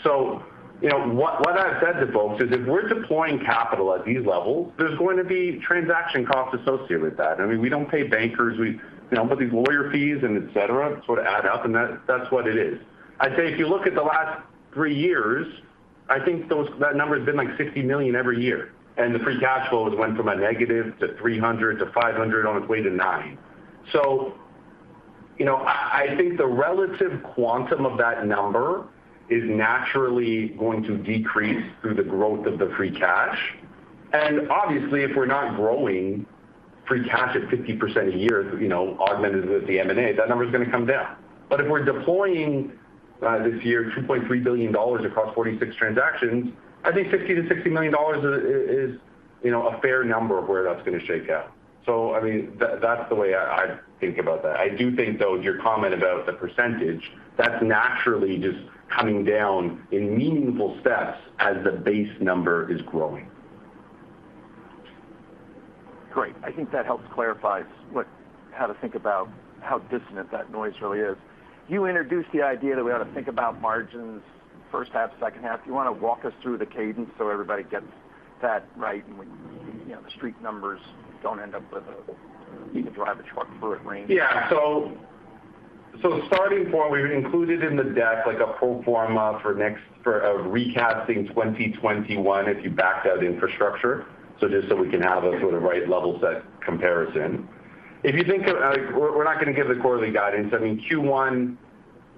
S3: You know, what I've said to folks is if we're deploying capital at these levels, there's going to be transaction costs associated with that. I mean, we don't pay bankers. You know, but these lawyer fees and et cetera sort of add up, and that's what it is. I'd say if you look at the last three years, I think that number's been like 60 million every year, and the free cash flows went from a negative to 300-500 on its way to 900. You know, I think the relative quantum of that number is naturally going to decrease through the growth of the free cash. Obviously, if we're not growing free cash at 50% a year, you know, augmented with the M&A, that number's going to come down. If we're deploying this year 2.3 billion dollars across 46 transactions, I think 50 million-60 million dollars is, you know, a fair number of where that's gonna shake out. I mean, that's the way I think about that. I do think, though, your comment about the percentage, that's naturally just coming down in meaningful steps as the base number is growing.
S5: Great. I think that helps clarify how to think about how dissonant that noise really is. You introduced the idea that we ought to think about margins first half, second half. Do you want to walk us through the cadence so everybody gets that right and we, you know, the Street numbers don't end up with a, you can drive a truck through it range?
S3: Starting point, we've included in the deck like a pro forma for recasting 2021 if you backed out infrastructure, so just so we can have a sort of right level set comparison. If you think of. Like, we're not gonna give the quarterly guidance. I mean, Q1,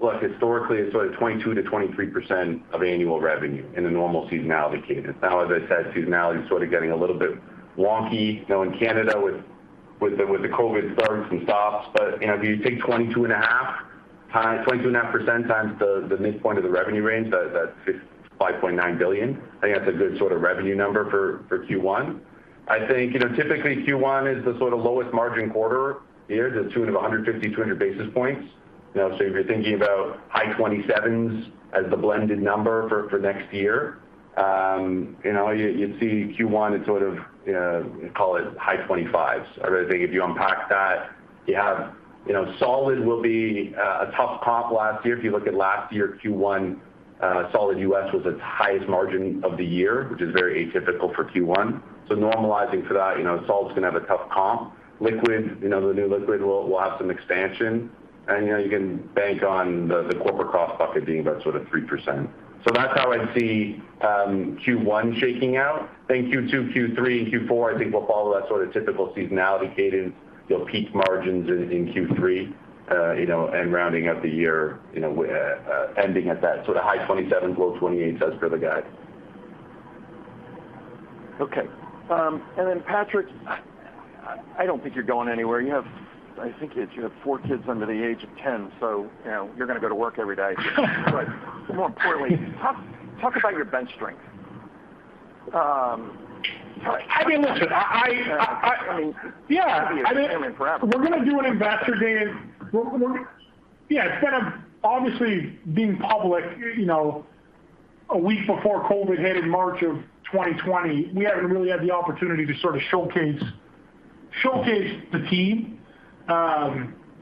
S3: look, historically it's sort of 22%-23% of annual revenue in a normal seasonality cadence. Now, as I said, seasonality is sort of getting a little bit wonky, you know, in Canada with the COVID starts and stops. You know, if you take 22.5% times the midpoint of the revenue range, that's 55.9 billion. I think that's a good sort of revenue number for Q1. I think, you know, typically, Q1 is the sort of lowest margin quarter here to the tune of 150-200 basis points. You know, so if you're thinking about high 27% as the blended number for next year, you'd see Q1 at sort of, you know, call it high 25%. I really think if you unpack that, you have you know, solid will be a tough comp last year. If you look at last year, Q1, solid U.S. was its highest margin of the year, which is very atypical for Q1. So, normalizing for that, you know, solid's going to have a tough comp. Liquid, you know, the new liquid will have some expansion. You know, you can bank on the corporate cost bucket being about sort of 3%. That's how I'd see Q1 shaking out. I think Q2, Q3, and Q4 will follow that sort of typical seasonality cadence. You'll peak margins in Q3, you know, and rounding out the year, you know, ending at that sort of high 27%, low 28% as per the guide.
S5: Okay. Patrick, I don't think you're going anywhere. I think you have four kids under the age of 10, so you know, you're gonna go to work every day. More importantly, talk about your bench strength.
S2: I mean, listen, I.
S5: I mean, yeah.
S2: We're gonna do an Investor Day. Yeah, instead of obviously being public, you know, a week before COVID hit in March of 2020, we haven't really had the opportunity to sort of showcase the team.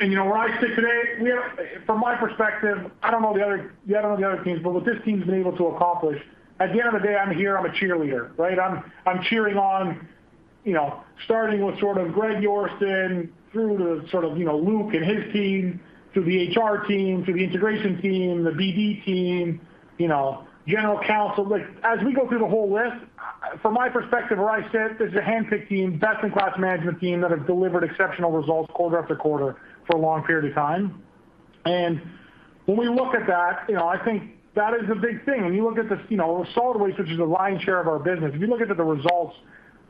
S2: You know, where I sit today, we have. From my perspective, I don't know the other teams, but what this team's been able to accomplish, at the end of the day, I'm here, I'm a cheerleader, right? I'm cheering on, you know, starting with sort of Greg Yorston through to sort of, you know, Luke and his team, to the HR team, to the integration team, the BD team, you know, general counsel. Like, as we go through the whole list, from my perspective where I sit, this is a handpicked team, best-in-class management team that have delivered exceptional results quarter after quarter for a long period of time. When we look at that, you know, I think that is a big thing. When you look at the, you know, the solid waste, which is the lion's share of our business, if you look into the results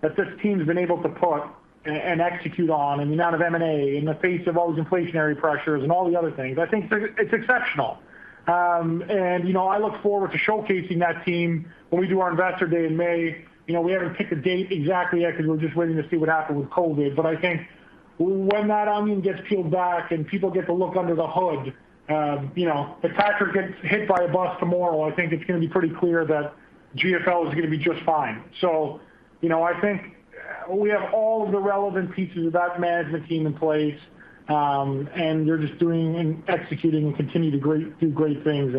S2: that this team's been able to put and execute on, and the amount of M&A in the face of all those inflationary pressures and all the other things, I think it's exceptional. You know, I look forward to showcasing that team when we do our Investor Day in May. You know, we haven't picked a date exactly yet because we're just waiting to see what happens with COVID. I think when that onion gets peeled back and people get to look under the hood, you know, if Patrick gets hit by a bus tomorrow, I think it's gonna be pretty clear that GFL is going to be just fine. You know, I think we have all of the relevant pieces of that management team in place, and they're just doing and executing and continue to do great things.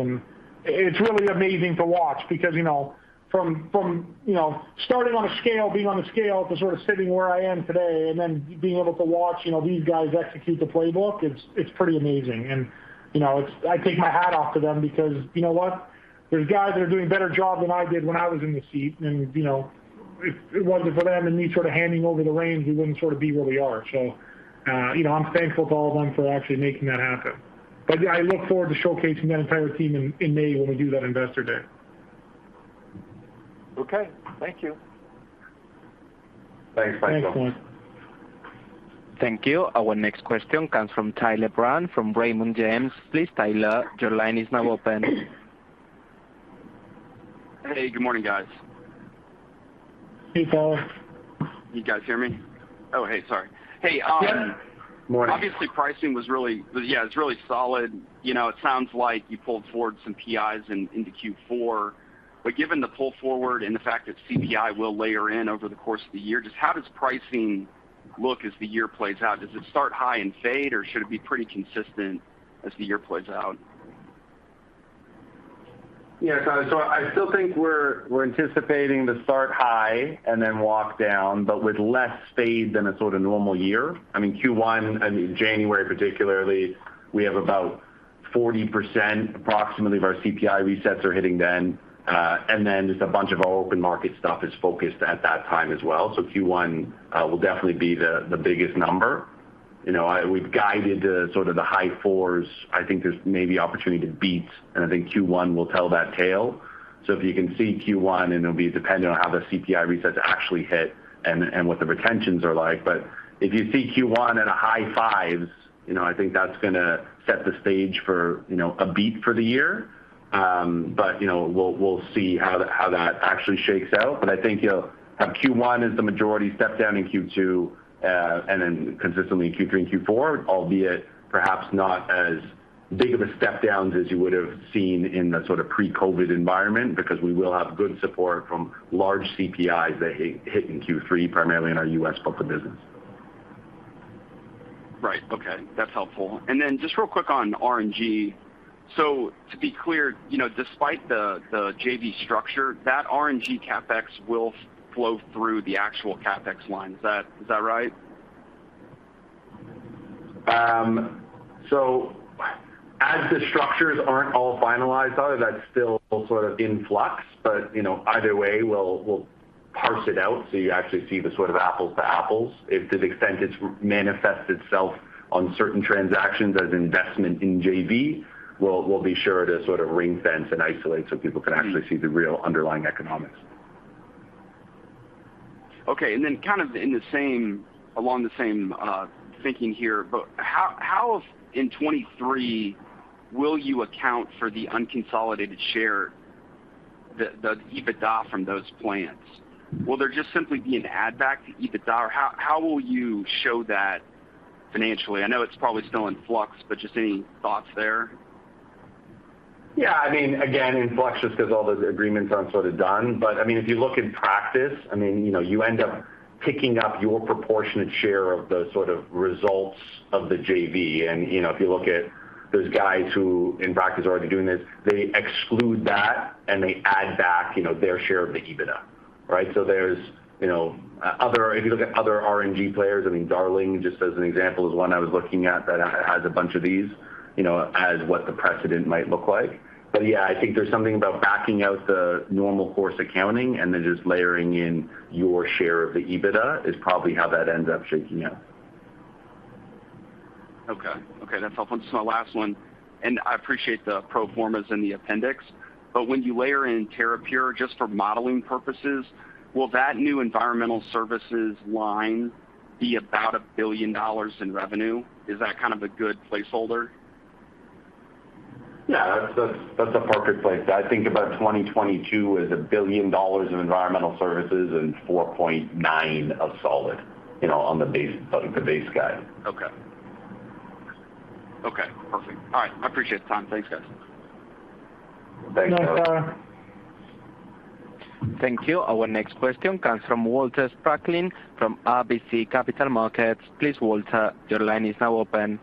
S2: It's really amazing to watch because, you know, from, you know, starting on a scale, being on a scale to sort of sitting where I am today and then being able to watch, you know, these guys execute the playbook, it's pretty amazing. You know, I take my hat off to them because you know what? There's guys that are doing a better job than I did when I was in the seat and you know, if it wasn't for them and me sort of handing over the reins, we wouldn't sort of be where we are. You know, I'm thankful to all of them for actually making that happen. I look forward to showcasing that entire team in May when we do that Investor Day.
S5: Okay. Thank you.
S3: Thanks, Michael.
S2: Thanks, Mike.
S1: Thank you. Our next question comes from Tyler Brown from Raymond James. Please Tyler, your line is now open.
S6: Hey, good morning, guys.
S2: Hey, Tyler.
S6: Can you guys hear me? Oh, hey, sorry.
S2: Yes.
S3: Morning.
S6: Obviously, pricing was really solid. Yeah, it's really solid. You know, it sounds like you pulled forward some PIs into Q4. Given the pull forward and the fact that CPI will layer in over the course of the year, just how does pricing look as the year plays out? Does it start high and fade, or should it be pretty consistent as the year plays out?
S3: Yeah. I still think we're anticipating the start high and then walk down, but with less fade than a sort of normal year. I mean, Q1, I mean, January particularly, we have about 40% approximately of our CPI resets are hitting then. And then just a bunch of our open market stuff is focused on that time as well. Q1 will definitely be the biggest number. You know, we've guided to sort of the high fours. I think there's maybe opportunity to beat, and I think Q1 will tell that tale. If you can see Q1, and it'll be dependent on how the CPI resets actually hit and what the retentions are like. If you see Q1 at a high fives, you know, I think that's gonna set the stage for a beat for the year. You know, we'll see how that actually shakes out. I think you'll have Q1 as the majority step down in Q2, and then consistently in Q3 and Q4, albeit perhaps not as big of a step downs as you would have seen in the sort of pre-COVID environment because we will have good support from large PIs that hit in Q3, primarily in our U.S. book of business.
S6: Right. Okay. That's helpful. Just real quick on RNG. To be clear, you know, despite the JV structure, that RNG CapEx will flow through the actual CapEx line. Is that right?
S3: As the structures aren't all finalized, Tyler, that's still sort of in flux. You know, either way we'll parse it out, so you actually see the sort of apples to apples. If to the extent it's manifest itself on certain transactions as investment in JV, we'll be sure to sort of ring-fence and isolate so people can actually see the real underlying economics.
S6: Okay. Kind of along the same thinking here, but how in 2023 will your account for the unconsolidated share, the EBITDA from those plants? Will there just simply be an add back to EBITDA? Or how will you show that financially? I know it's probably still in flux, but just any thoughts there?
S3: Yeah, I mean, again, in flux just cause all those agreements aren't sort of done. I mean, if you look in practice, I mean, you know, you end up picking up your proportionate share of the sort of results of the JV. You know, if you look at those guys who in practice are already doing this, they exclude that, and they add back, you know, their share of the EBITDA, right? There's, you know, if you look at other RNG players, I mean, Darling, just as an example, is one I was looking at that has a bunch of these, you know, as what the precedent might look like. Yeah, I think there's something about backing out the normal course accounting and then just layering in your share of the EBITDA is probably how that ends up shaking out.
S6: Okay. Okay, that's helpful. This is my last one, and I appreciate the pro formas and the appendix. When you layer in Terrapure just for modeling purposes, will that new Environmental Services line be about 1 billion dollars in revenue? Is that kind of a good placeholder?
S3: Yeah, that's a perfect place. I think about 2022 is 1 billion dollars of Environmental Services and 4.9 billion of solid, you know, on the base guide.
S6: Okay. Okay, perfect. All right, I appreciate the time. Thanks, guys.
S2: Thanks, Tyler Brown.
S1: Thank you. Our next question comes from Walter Spracklin from RBC Capital Markets. Please, Walter, your line is now open.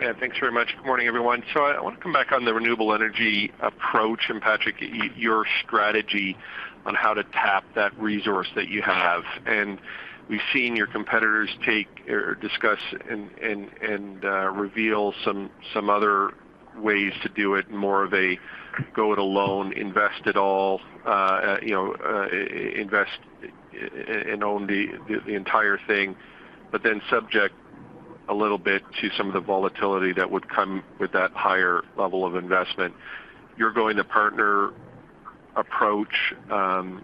S7: Yeah, thanks very much. Good morning, everyone. I want to come back on the renewable energy approach, and Patrick, your strategy on how to tap that resource that you have. We've seen your competitors take or discuss and reveal some other ways to do it, more of a go it alone, invest it all, you know, invest and own the entire thing, but then subject a little bit to some of the volatility that would come with that higher level of investment. Your go-to partner approach, I'm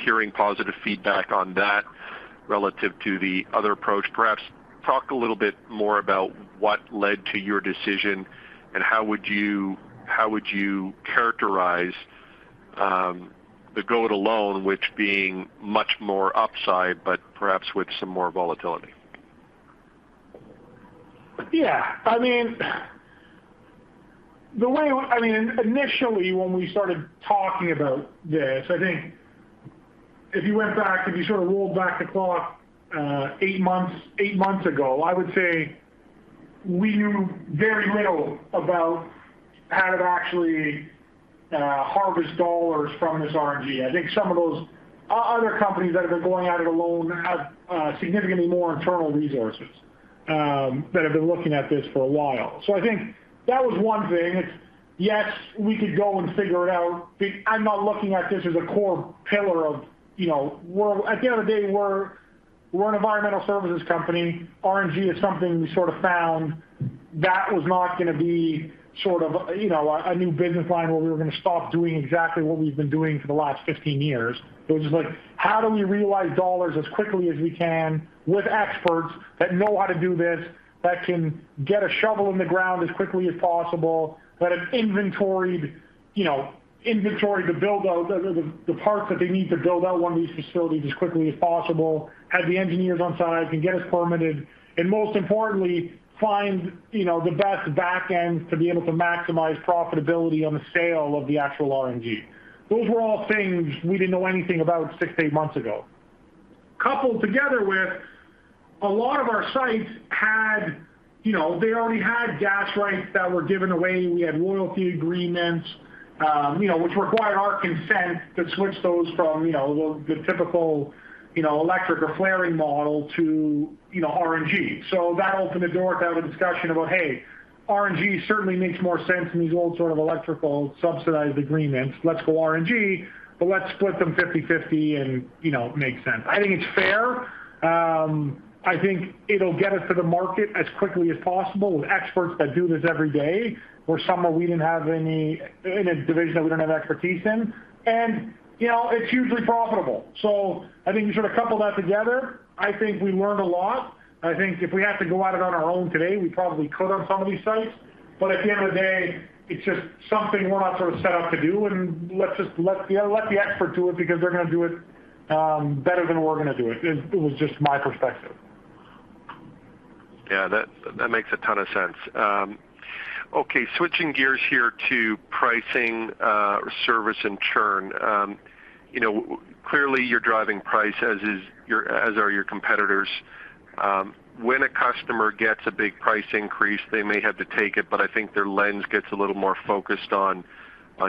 S7: hearing positive feedback on that relative to the other approach. Perhaps talk a little bit more about what led to your decision, and how would you characterize the go it alone, which being much more upside, but perhaps with some more volatility?
S2: Yeah. I mean, initially, when we started talking about this, I think if you went back, if you sort of rolled back the clock, eight months ago, I would say we knew very little about how to actually harvest dollars from this RNG. I think some of those other companies that have been going at it alone have significantly more internal resources that have been looking at this for a while. I think that was one thing. Yes, we could go and figure it out. I'm not looking at this as a core pillar of, you know, we're at the end of the day, we're an environmental services company. RNG is something we sort of found that was not gonna be sort of, you know, a new business line where we were gonna stop doing exactly what we've been doing for the last 15 years, which is like, how do we realize dollars as quickly as we can with experts that know how to do this, that can get a shovel in the ground as quickly as possible, that have inventoried, you know, inventory to build out the parts that they need to build out one of these facilities as quickly as possible, have the engineers on site and get us permitted, and most importantly, find, you know, the best back ends to be able to maximize profitability on the sale of the actual RNG. Those were all things we didn't know anything about six, eight months ago. Coupled together with a lot of our sites had, you know, they already had gas rights that were given away. We had royalty agreements, you know, which required our consent to switch those from, you know, the typical, you know, electric or flaring model to, you know, RNG. That opened the door to have a discussion about, "Hey, RNG certainly makes more sense than these old sorts of electrical subsidized agreements. Let's go RNG, but let's split them 50/50 and, you know, make sense." I think it's fair. I think it'll get us to the market as quickly as possible with experts that do this every day, where somewhere we didn't have any, in a division that we don't have expertise in. You know, it's hugely profitable. I think you sort of couple that together, I think we learned a lot. I think if we had to go at it on our own today, we probably could on some of these sites. At the end of the day, it's just something we're not sort of set up to do, and let's just let the expert do it because they're going to do it, better than we're gonna do it. It was just my perspective.
S7: Yeah. That makes a ton of sense. Okay, switching gears here to pricing, service and churn. You know, clearly, you're driving price as are your competitors. When a customer gets a big price increase, they may have to take it, but I think their lens gets a little more focused on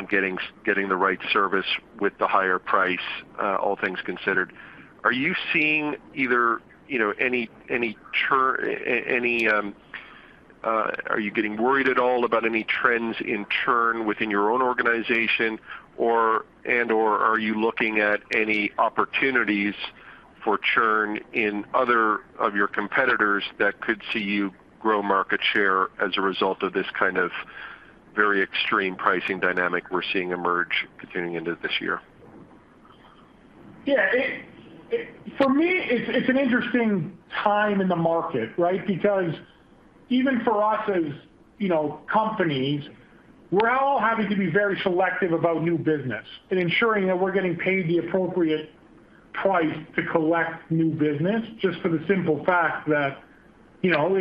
S7: getting the right service with the higher price, all things considered. Are you seeing either any trends in churn within your own organization or are you looking at any opportunities for churn in other of your competitors that could see you grow market share as a result of this kind of Very extreme pricing dynamic we're seeing emerge continuing into this year.
S2: Yeah, for me, it's an interesting time in the market, right? Because even for us as, you know, companies, we're all having to be very selective about new business and ensuring that we're getting paid the appropriate price to collect new business, just for the simple fact that, you know,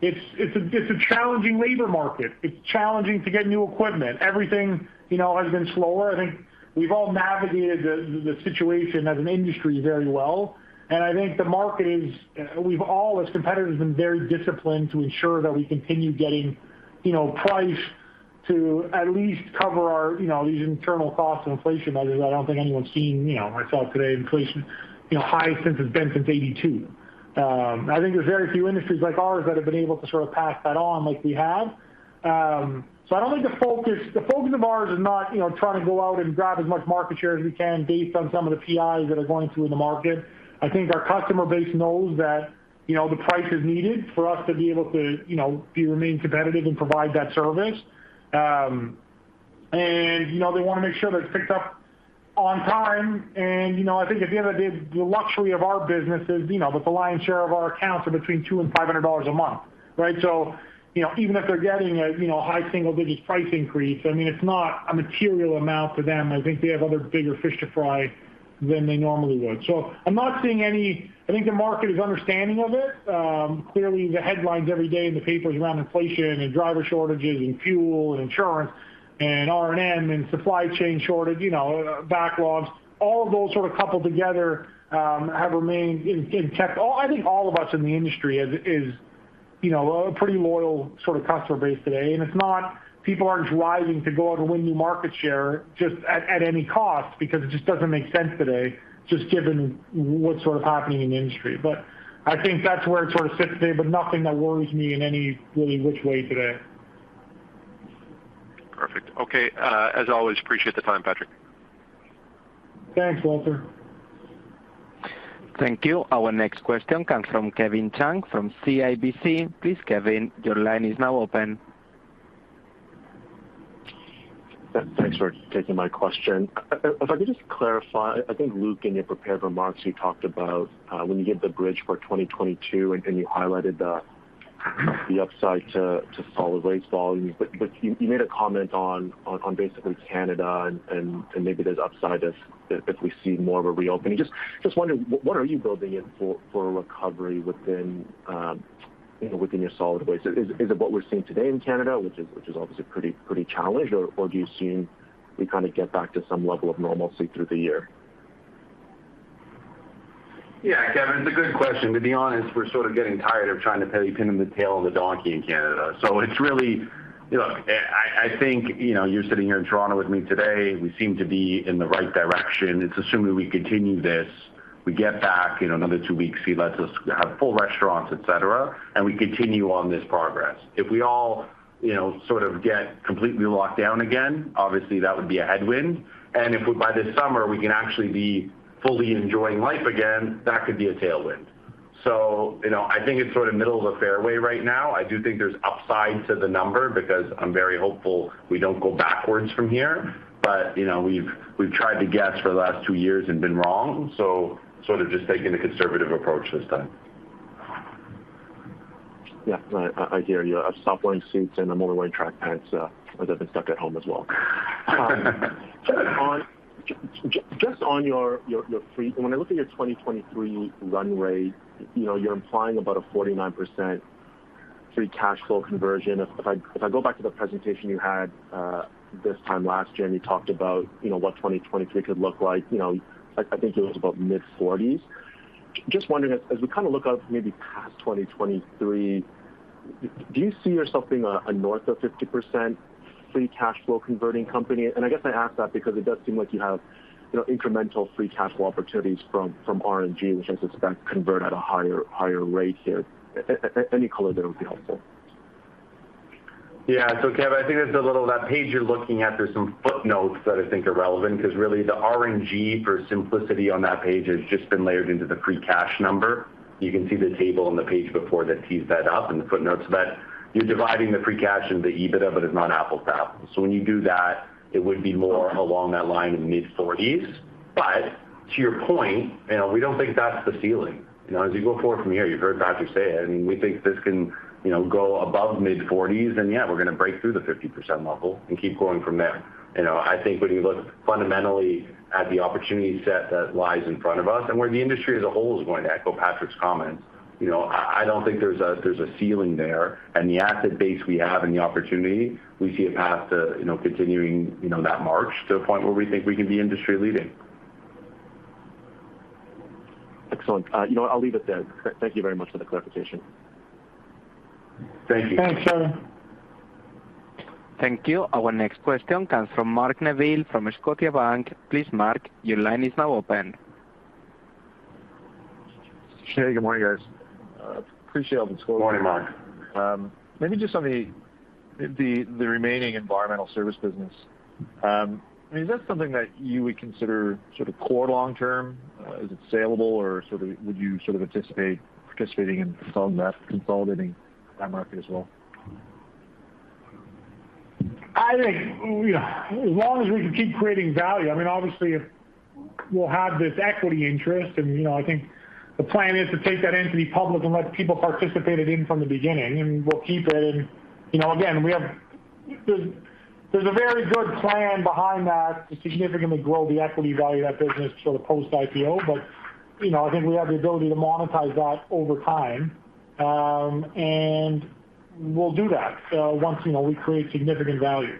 S2: it's a challenging labor market. It's challenging to get new equipment. Everything, you know, has been slower. I think we've all navigated the situation as an industry very well. I think the market is. We've all, as competitors, been very disciplined to ensure that we continue getting, you know, price to at least cover our, you know, these internal costs and inflation measures. I don't think anyone's seen, you know, inflation, you know, high since it's been since 1982. I think there's very few industries like ours that have been able to sort of pass that on like we have. So, I don't think the focus of ours is not, you know, trying to go out and grab as much market share as we can based on some of the PIs that are going through in the market. I think our customer base knows that, you know, the price is needed for us to be able to, you know, remain competitive and provide that service. You know, they wanna make sure that it's picked up on time. You know, I think at the end of the day, the luxury of our business is, you know, that the lion's share of our accounts are between 200 and 500 dollars a month, right? You know, even if they're getting a, you know, high single-digit price increase, I mean, it's not a material amount to them. I think they have other bigger fish to fry than they normally would. I'm not seeing any. I think the market is understanding of it. Clearly, the headlines every day in the papers around inflation and driver shortages and fuel and insurance and R&M and supply chain shortage, you know, backlogs, all of those sort of coupled together, have remained in check. I think all of us in the industry is, you know, a pretty loyal sort of customer base today. It's not people aren't driving to go out and win new market share just at any cost because it just doesn't make sense today, just given what's sort of happening in the industry. I think that's where it sort of sits today, but nothing that worries me in any real way today.
S7: Perfect. Okay. As always, I appreciate the time, Patrick.
S2: Thanks, Walter.
S1: Thank you. Our next question comes from Kevin Chiang from CIBC. Please, Kevin, your line is now open.
S8: Thanks for taking my question. If I could just clarify, I think, Luke, in your prepared remarks, you talked about when you gave the bridge for 2022, and you highlighted the upside to solid waste volumes. You made a comment on basically Canada and maybe there's upside if we see more of a reopening. Just wondering, what are you building in for a recovery within, you know, within your solid waste? Is it what we're seeing today in Canada, which is obviously pretty challenged? Do you assume we kind of get back to some level of normalcy through the year?
S3: Yeah. Kevin, it's a good question. To be honest, we're sort of getting tired of trying to pin the tail on the donkey in Canada. So, it's really. Look, I think, you know, you're sitting here in Toronto with me today. We seem to be in the right direction. It's assuming we continue this, we get back, you know, another two weeks, he lets us have full restaurants, et cetera, and we continue on this progress. If we all, you know, sort of get completely locked down again, obviously, that would be a headwind. If by this summer, we can actually be fully enjoying life again, that could be a tailwind. So, you know, I think it's sort of middle of the fairway right now. I do think there's upside to the number because I'm very hopeful, we don't go backwards from here. You know, we've tried to guess for the last two years and been wrong, so sort of just taking a conservative approach this time.
S8: Yeah. No, I hear you. I've stopped wearing suits, and I'm only wearing track pants, as I've been stuck at home as well. When I look at your 2023 run rate, you know, you're implying about a 49% free cash flow conversion. If I go back to the presentation you had, this time last year, and you talked about, you know, what 2023 could look like, you know, I think it was about mid-40s. Just wondering, as we kind of look out maybe past 2023, do you see yourself being a north of 50% free cash flow converting company? I guess I ask that because it does seem like you have, you know, incremental free cash flow opportunities from RNG, which I suspect convert at a higher rate here. Any color there would be helpful.
S3: Yeah. Kevin, I think there's a little. That page you're looking at, there's some footnotes that I think are relevant because really the RNG, for simplicity on that page, has just been layered into the free cash number. You can see the table on the page before that tees that up in the footnotes. But you're dividing the free cash into EBITDA, but it's not apples to apples. When you do that, it would be more along that line in mid-40s. But to your point, you know, we don't think that's the ceiling. You know, as you go forward from here, you heard Patrick say it, I mean, we think this can, you know, go above mid-40s, and yeah, we're gonna break through the 50% level and keep going from there. You know, I think when you look fundamentally at the opportunity set that lies in front of us and where the industry as a whole is going, to echo Patrick's comments, you know, I don't think there's a ceiling there. The asset base we have and the opportunity, we see a path to, you know, continuing, you know, that march to a point where we think we can be industry leading.
S8: Excellent. You know what, I'll leave it there. Thank you very much for the clarification.
S3: Thank you.
S2: Thanks, Kevin.
S1: Thank you. Our next question comes from Mark Neville from Scotiabank. Please, Mark, your line is now open.
S9: Hey, good morning, guys. Appreciate all the
S2: Morning, Mark.
S9: Maybe just on the remaining Environmental Services business. I mean, is that something that you would consider sort of core long term? Is it salable, or sort of would you sort of anticipate participating in some of that, consolidating that market as well?
S2: I think, you know, as long as we can keep creating value. I mean, obviously if we'll have this equity interest and, you know, I think the plan is to take that entity public and let people participate in it from the beginning, and we'll keep it. You know, again, we have, there's a very good plan behind that to significantly grow the equity value of that business sort of post IPO. You know, I think we have the ability to monetize that over time. We'll do that once, you know, we create significant value.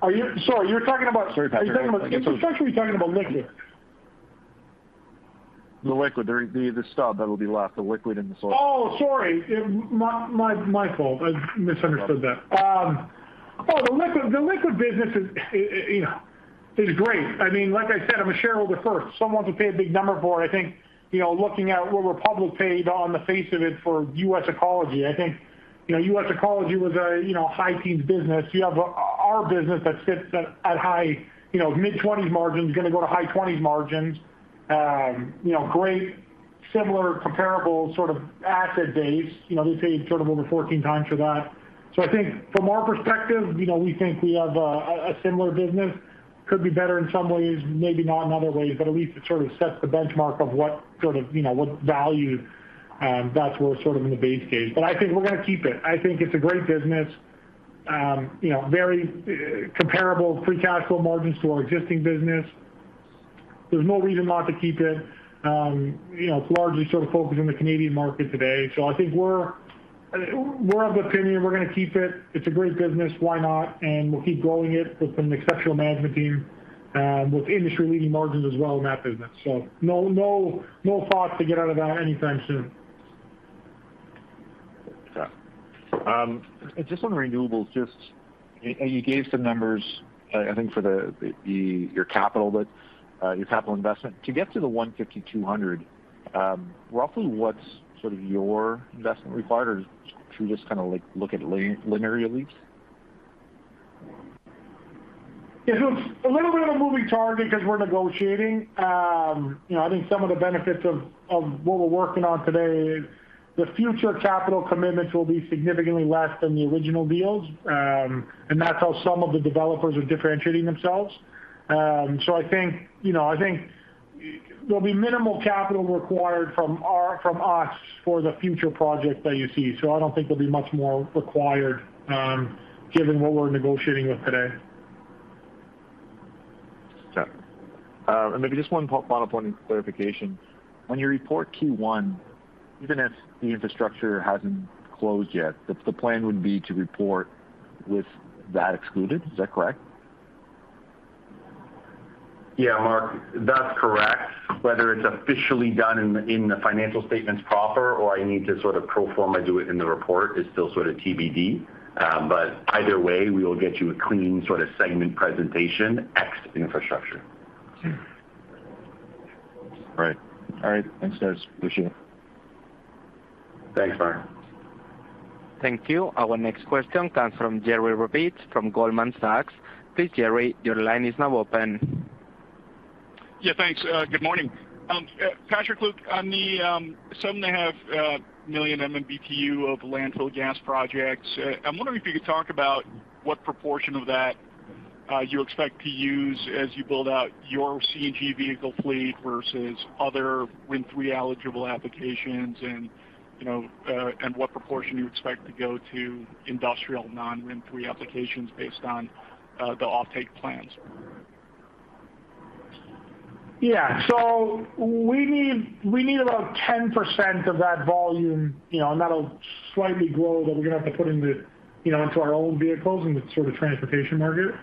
S2: Sorry, you're talking about-
S9: Sorry, Patrick.
S2: Are you talking about infrastructure or are you talking about liquid?
S9: The liquid. The stub that'll be left, the liquid and the soil.
S2: Sorry. My fault.
S9: I misunderstood that.
S2: The liquid business is, you know, great. I mean, like I said, I'm a shareholder first. Someone to pay a big number for it. I think, you know, looking at what Republic paid on the face of it for U.S. Ecology, I think, you know, U.S. Ecology was a, you know, high teens business. You have our business that sits at high, you know, mid-20s margins, gonna go to high 20s margins. You know, great similar comparable sort of asset base. You know, they paid sort of over 14 times for that. I think from our perspective, you know, we think we have a similar business. Could be better in some ways, maybe not in other ways, but at least it sort of sets the benchmark of what sort of, you know, what value, that's worth sort of in the base case. I think we're gonna keep it. I think it's a great business. You know, very comparable free cash flow margins to our existing business. There's no reason not to keep it. You know, it's largely sort of focused on the Canadian market today. I think we're of the opinion we're gonna keep it. It's a great business. Why not? We'll keep growing it with an exceptional management team, with industry leading margins as well in that business. No, no thoughts to get out of that anytime soon.
S9: Okay. Just on renewables. You gave some numbers, I think for your capital investment. To get to the 150-200, roughly what's sort of your investment required? Or should we just kind of like look at linearly at least?
S2: It's a little bit of a moving target cause we're negotiating. You know, I think some of the benefits of what we're working on today, the future capital commitments will be significantly less than the original deals. That's how some of the developers are differentiating themselves. You know, I think there'll be minimal capital required from us for the future projects that you see. I don't think there'll be much more required, given what we're negotiating with today.
S9: Okay. Maybe just one follow point for clarification. When you report Q1, even if the infrastructure hasn't closed yet, the plan would be to report with that excluded. Is that correct?
S3: Yeah, Mark, that's correct. Whether it's officially done in the financial statements proper or I need to sort of pro forma do it in the report is still sort of TBD. But either way we will get you a clean sort of segment presentation, ex the infrastructure.
S9: All right. Thanks, guys. Appreciate it.
S3: Thanks, Mark.
S1: Thank you. Our next question comes from Jerry Revich from Goldman Sachs. Please, Jerry, your line is now open.
S10: Yeah, thanks. Good morning. Patrick, look, on the 7.5 million MMBtu of landfill gas projects, I'm wondering if you could talk about what proportion of that you expect to use as you build out your CNG vehicle fleet versus other RIN 3 eligible applications and, you know, and what proportion you expect to go to industrial non-RIN 3 applications based on the offtake plans.
S2: Yeah. We need about 10% of that volume, you know, and that'll slightly grow that we're gonna have to put into, you know, into our own vehicles in the sort of transportation market.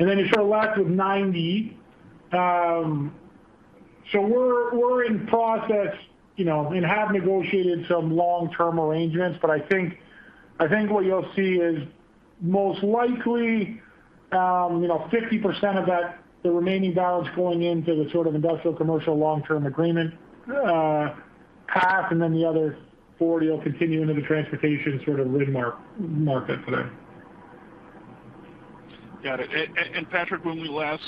S2: You're sort of left with 90%. We're in process, you know, and have negotiated some long-term arrangements, but I think what you'll see is most likely, you know, 50% of that, the remaining balance going into the sort of industrial commercial long-term agreement, half and then the other 40% will continue into the transportation sort of RIN market today.
S10: Got it. Patrick, when we last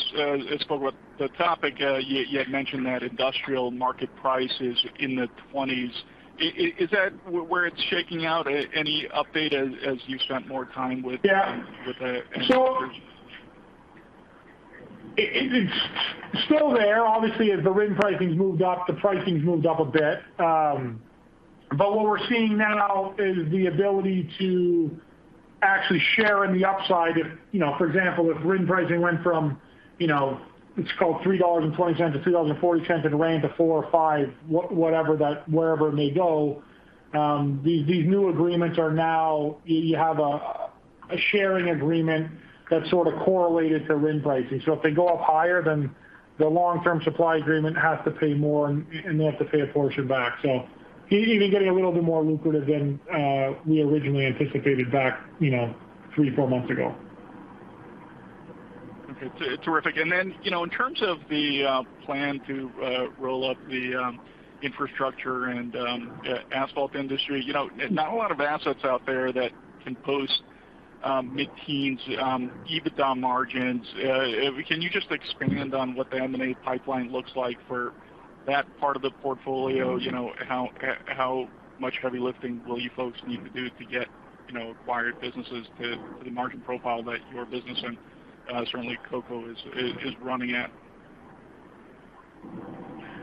S10: spoke about the topic, you had mentioned that industrial market price is in the 20s. Is that where it's shaking out? Any update as you've spent more time with-
S2: Yeah.
S10: With the-
S2: It's still there. Obviously, as the RIN pricings moved up, the pricing's moved up a bit. What we're seeing now is the ability to actually share in the upside if, you know, for example, if RIN pricing went from, you know, let's call it 3.20-3.40 dollars and ran to 4 or 5, wherever it may go, these new agreements are now you have a sharing agreement that's sort of correlated to RIN pricing. If they go up higher, then the long-term supply agreement has to pay more, and they have to pay a portion back. Even getting a little bit more lucrative than we originally anticipated back, you know, three or four months ago.
S10: Okay. Terrific. You know, in terms of the plan to roll up the infrastructure and asphalt industry, you know, not a lot of assets out there that can post mid-teens EBITDA margins. Can you just expand on what the M&A pipeline looks like for that part of the portfolio, you know, how much heavy lifting will you folks need to do to get, you know, acquired businesses to the margin profile that your business and certainly Coco is running at?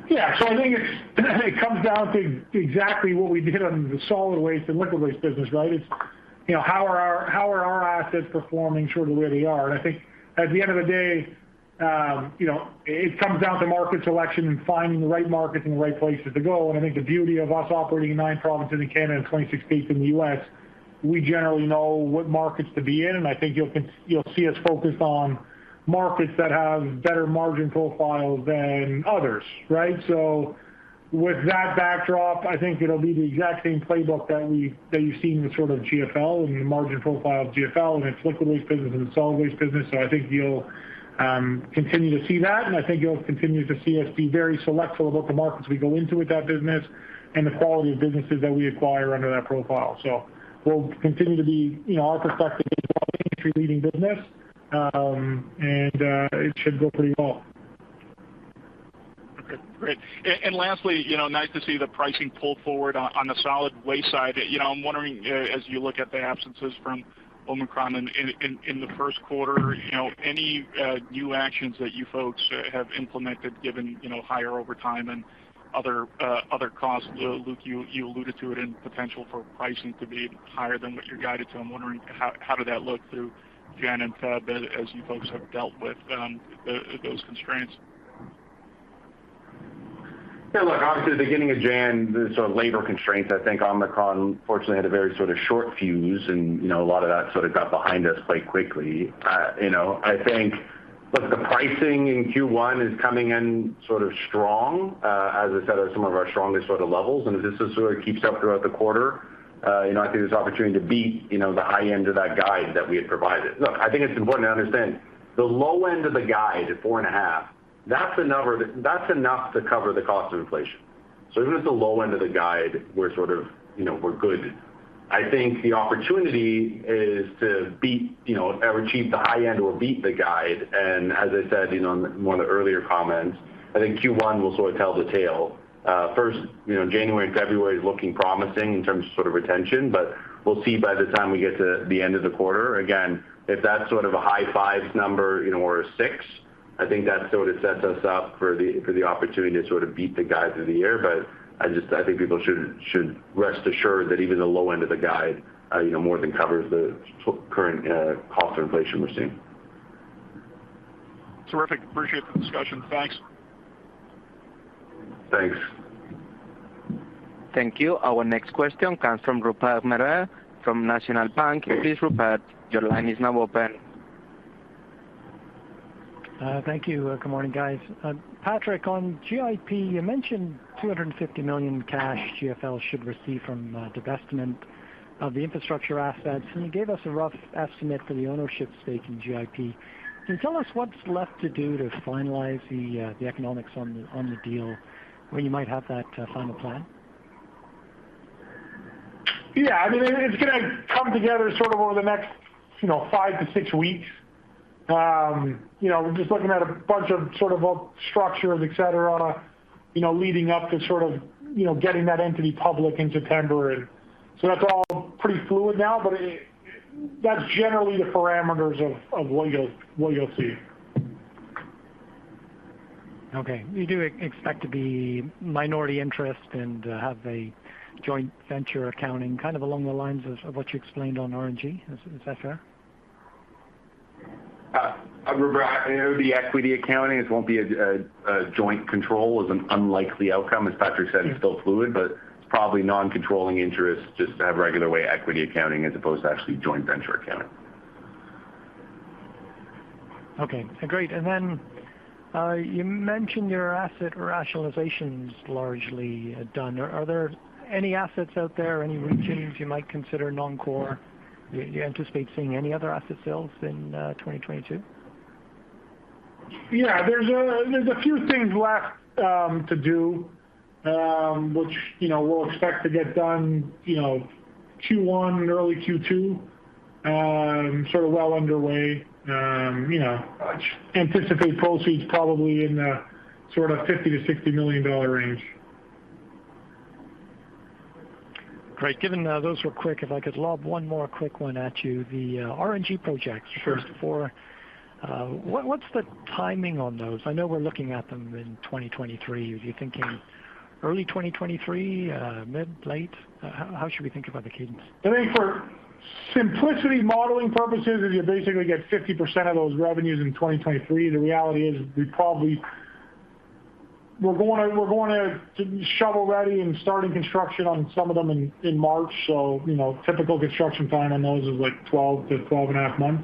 S2: Yeah. I think it comes down to exactly what we did on the solid waste and liquid waste business, right? It's, you know, how are our assets performing sort of where they are. I think at the end of the day, you know, it comes down to market selection and finding the right markets and the right places to go. I think the beauty of us operating in nine provinces in Canada and 26 states in the U.S., we generally know what markets to be in. I think you'll see us focused on markets that have better margin profiles than others, right? With that backdrop, I think it'll be the exact same playbook that you've seen with sort of GFL and the margin profile of GFL, and its liquid waste business and the solid waste business. I think you'll continue to see that, and I think you'll continue to see us be very select about the markets we go into with that business and the quality of businesses that we acquire under that profile. We'll continue to be, you know, our perspective is industry leading business, and it should go pretty well.
S10: Okay, great. Lastly, nice to see the pricing pull forward on the solid waste side. I'm wondering, as you look at the absences from Omicron in the first quarter, any new actions that you folks have implemented given higher overtime and other costs? Luke, you alluded to it in potential for pricing to be higher than what you're guided to. I'm wondering how did that look through January and February as you folks have dealt with those constraints?
S3: Yeah, look, obviously the beginning of January, the sort of labor constraints, I think Omicron fortunately had a very sort of short fuse and, you know, a lot of that sort of got behind us quite quickly. You know, I think. Look, the pricing in Q1 is coming in sort of strong, as I said, at some of our strongest sort of levels. If this sort of keeps up throughout the quarter, you know, I think there's opportunity to beat, you know, the high end of that guide that we had provided. Look, I think it's important to understand the low end of the guide, at 4.5, that's a number that's enough to cover the cost of inflation. Even at the low end of the guide, we're sort of, you know, we're good. I think the opportunity is to beat, you know, or achieve the high end or beat the guide. As I said, you know, on one of the earlier comments, I think Q1 will sort of tell the tale. First, you know, January and February is looking promising in terms of sort of retention, but we'll see by the time we get to the end of the quarter. Again, if that's sort of a high fives number, you know, or a six, I think that sort of sets us up for the opportunity to sort of beat the guides of the year. I think people should rest assured that even the low end of the guide, you know, more than covers the current cost of inflation we're seeing.
S10: Terrific. Appreciate the discussion. Thanks.
S3: Thanks.
S1: Thank you. Our next question comes from Rupert Merer from National Bank Financial. Please, Rupert, your line is now open.
S11: Thank you. Good morning, guys. Patrick, on GIP, you mentioned 250 million cash GFL should receive from divestment of the infrastructure assets, and you gave us a rough estimate for the ownership stake in GIP. Can you tell us what's left to do to finalize the economics on the deal, when you might have that final plan?
S2: Yeah. I mean, it's gonna come together sort of over the next, you know, five to six weeks. You know, we're just looking at a bunch of sort of structures, et cetera, you know, leading up to sort of, you know, getting that entity public in September. That's all pretty fluid now, but that's generally the parameters of what you'll see.
S11: Okay. You do expect to be minority interest and have a joint venture accounting, kind of along the lines of what you explained on RNG. Is that fair?
S3: Rupert, it would be equity accounting. This won't be a joint control is an unlikely outcome. As Patrick said, it's still fluid, but it's probably non-controlling interest just to have regular way equity accounting as opposed to actually joint venture accounting.
S11: Okay, great. You mentioned your asset rationalizations largely done. Are there any assets out there, any regions you might consider non-core? Do you anticipate seeing any other asset sales in 2022?
S2: Yeah. There's a few things left to do, which, you know, we'll expect to get done, you know, Q1 and early Q2 sort of well underway. You know, we anticipate proceeds probably in the sort of 50 million-60 million dollar range.
S11: Great. Given those were quick, if I could lob one more quick one at you. The RNG projects-
S2: Sure.
S11: You referred before. What's the timing on those? I know we're looking at them in 2023. Are you thinking early 2023, mid, late? How should we think about the cadence?
S2: I think for simplicity modeling purposes is you basically get 50% of those revenues in 2023. The reality is we probably are going to shovel ready and starting construction on some of them in March. You know, typical construction time on those is like 12-12.5 months.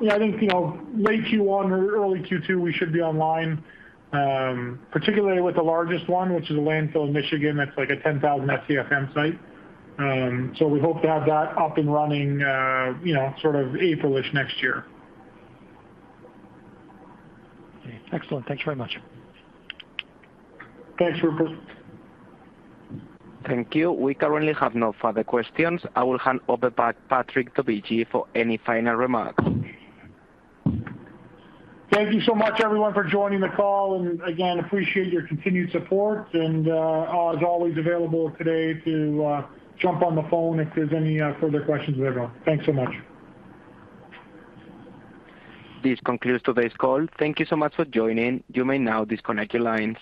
S2: I think, you know, late Q1 or early Q2, we should be online, particularly with the largest one, which is a landfill in Michigan, that's like a 10,000 SCFM site. We hope to have that up and running, you know, sort of April next year.
S11: Okay. Excellent. Thank you very much.
S2: Thanks, Rupert.
S1: Thank you. We currently have no further questions. I will hand over back Patrick Dovigi for any final remarks.
S2: Thank you so much everyone for joining the call, and again, I appreciate your continued support. I was always available today to jump on the phone if there's any further questions later on. Thanks so much.
S1: This concludes today's call. Thank you so much for joining. You may now disconnect your lines.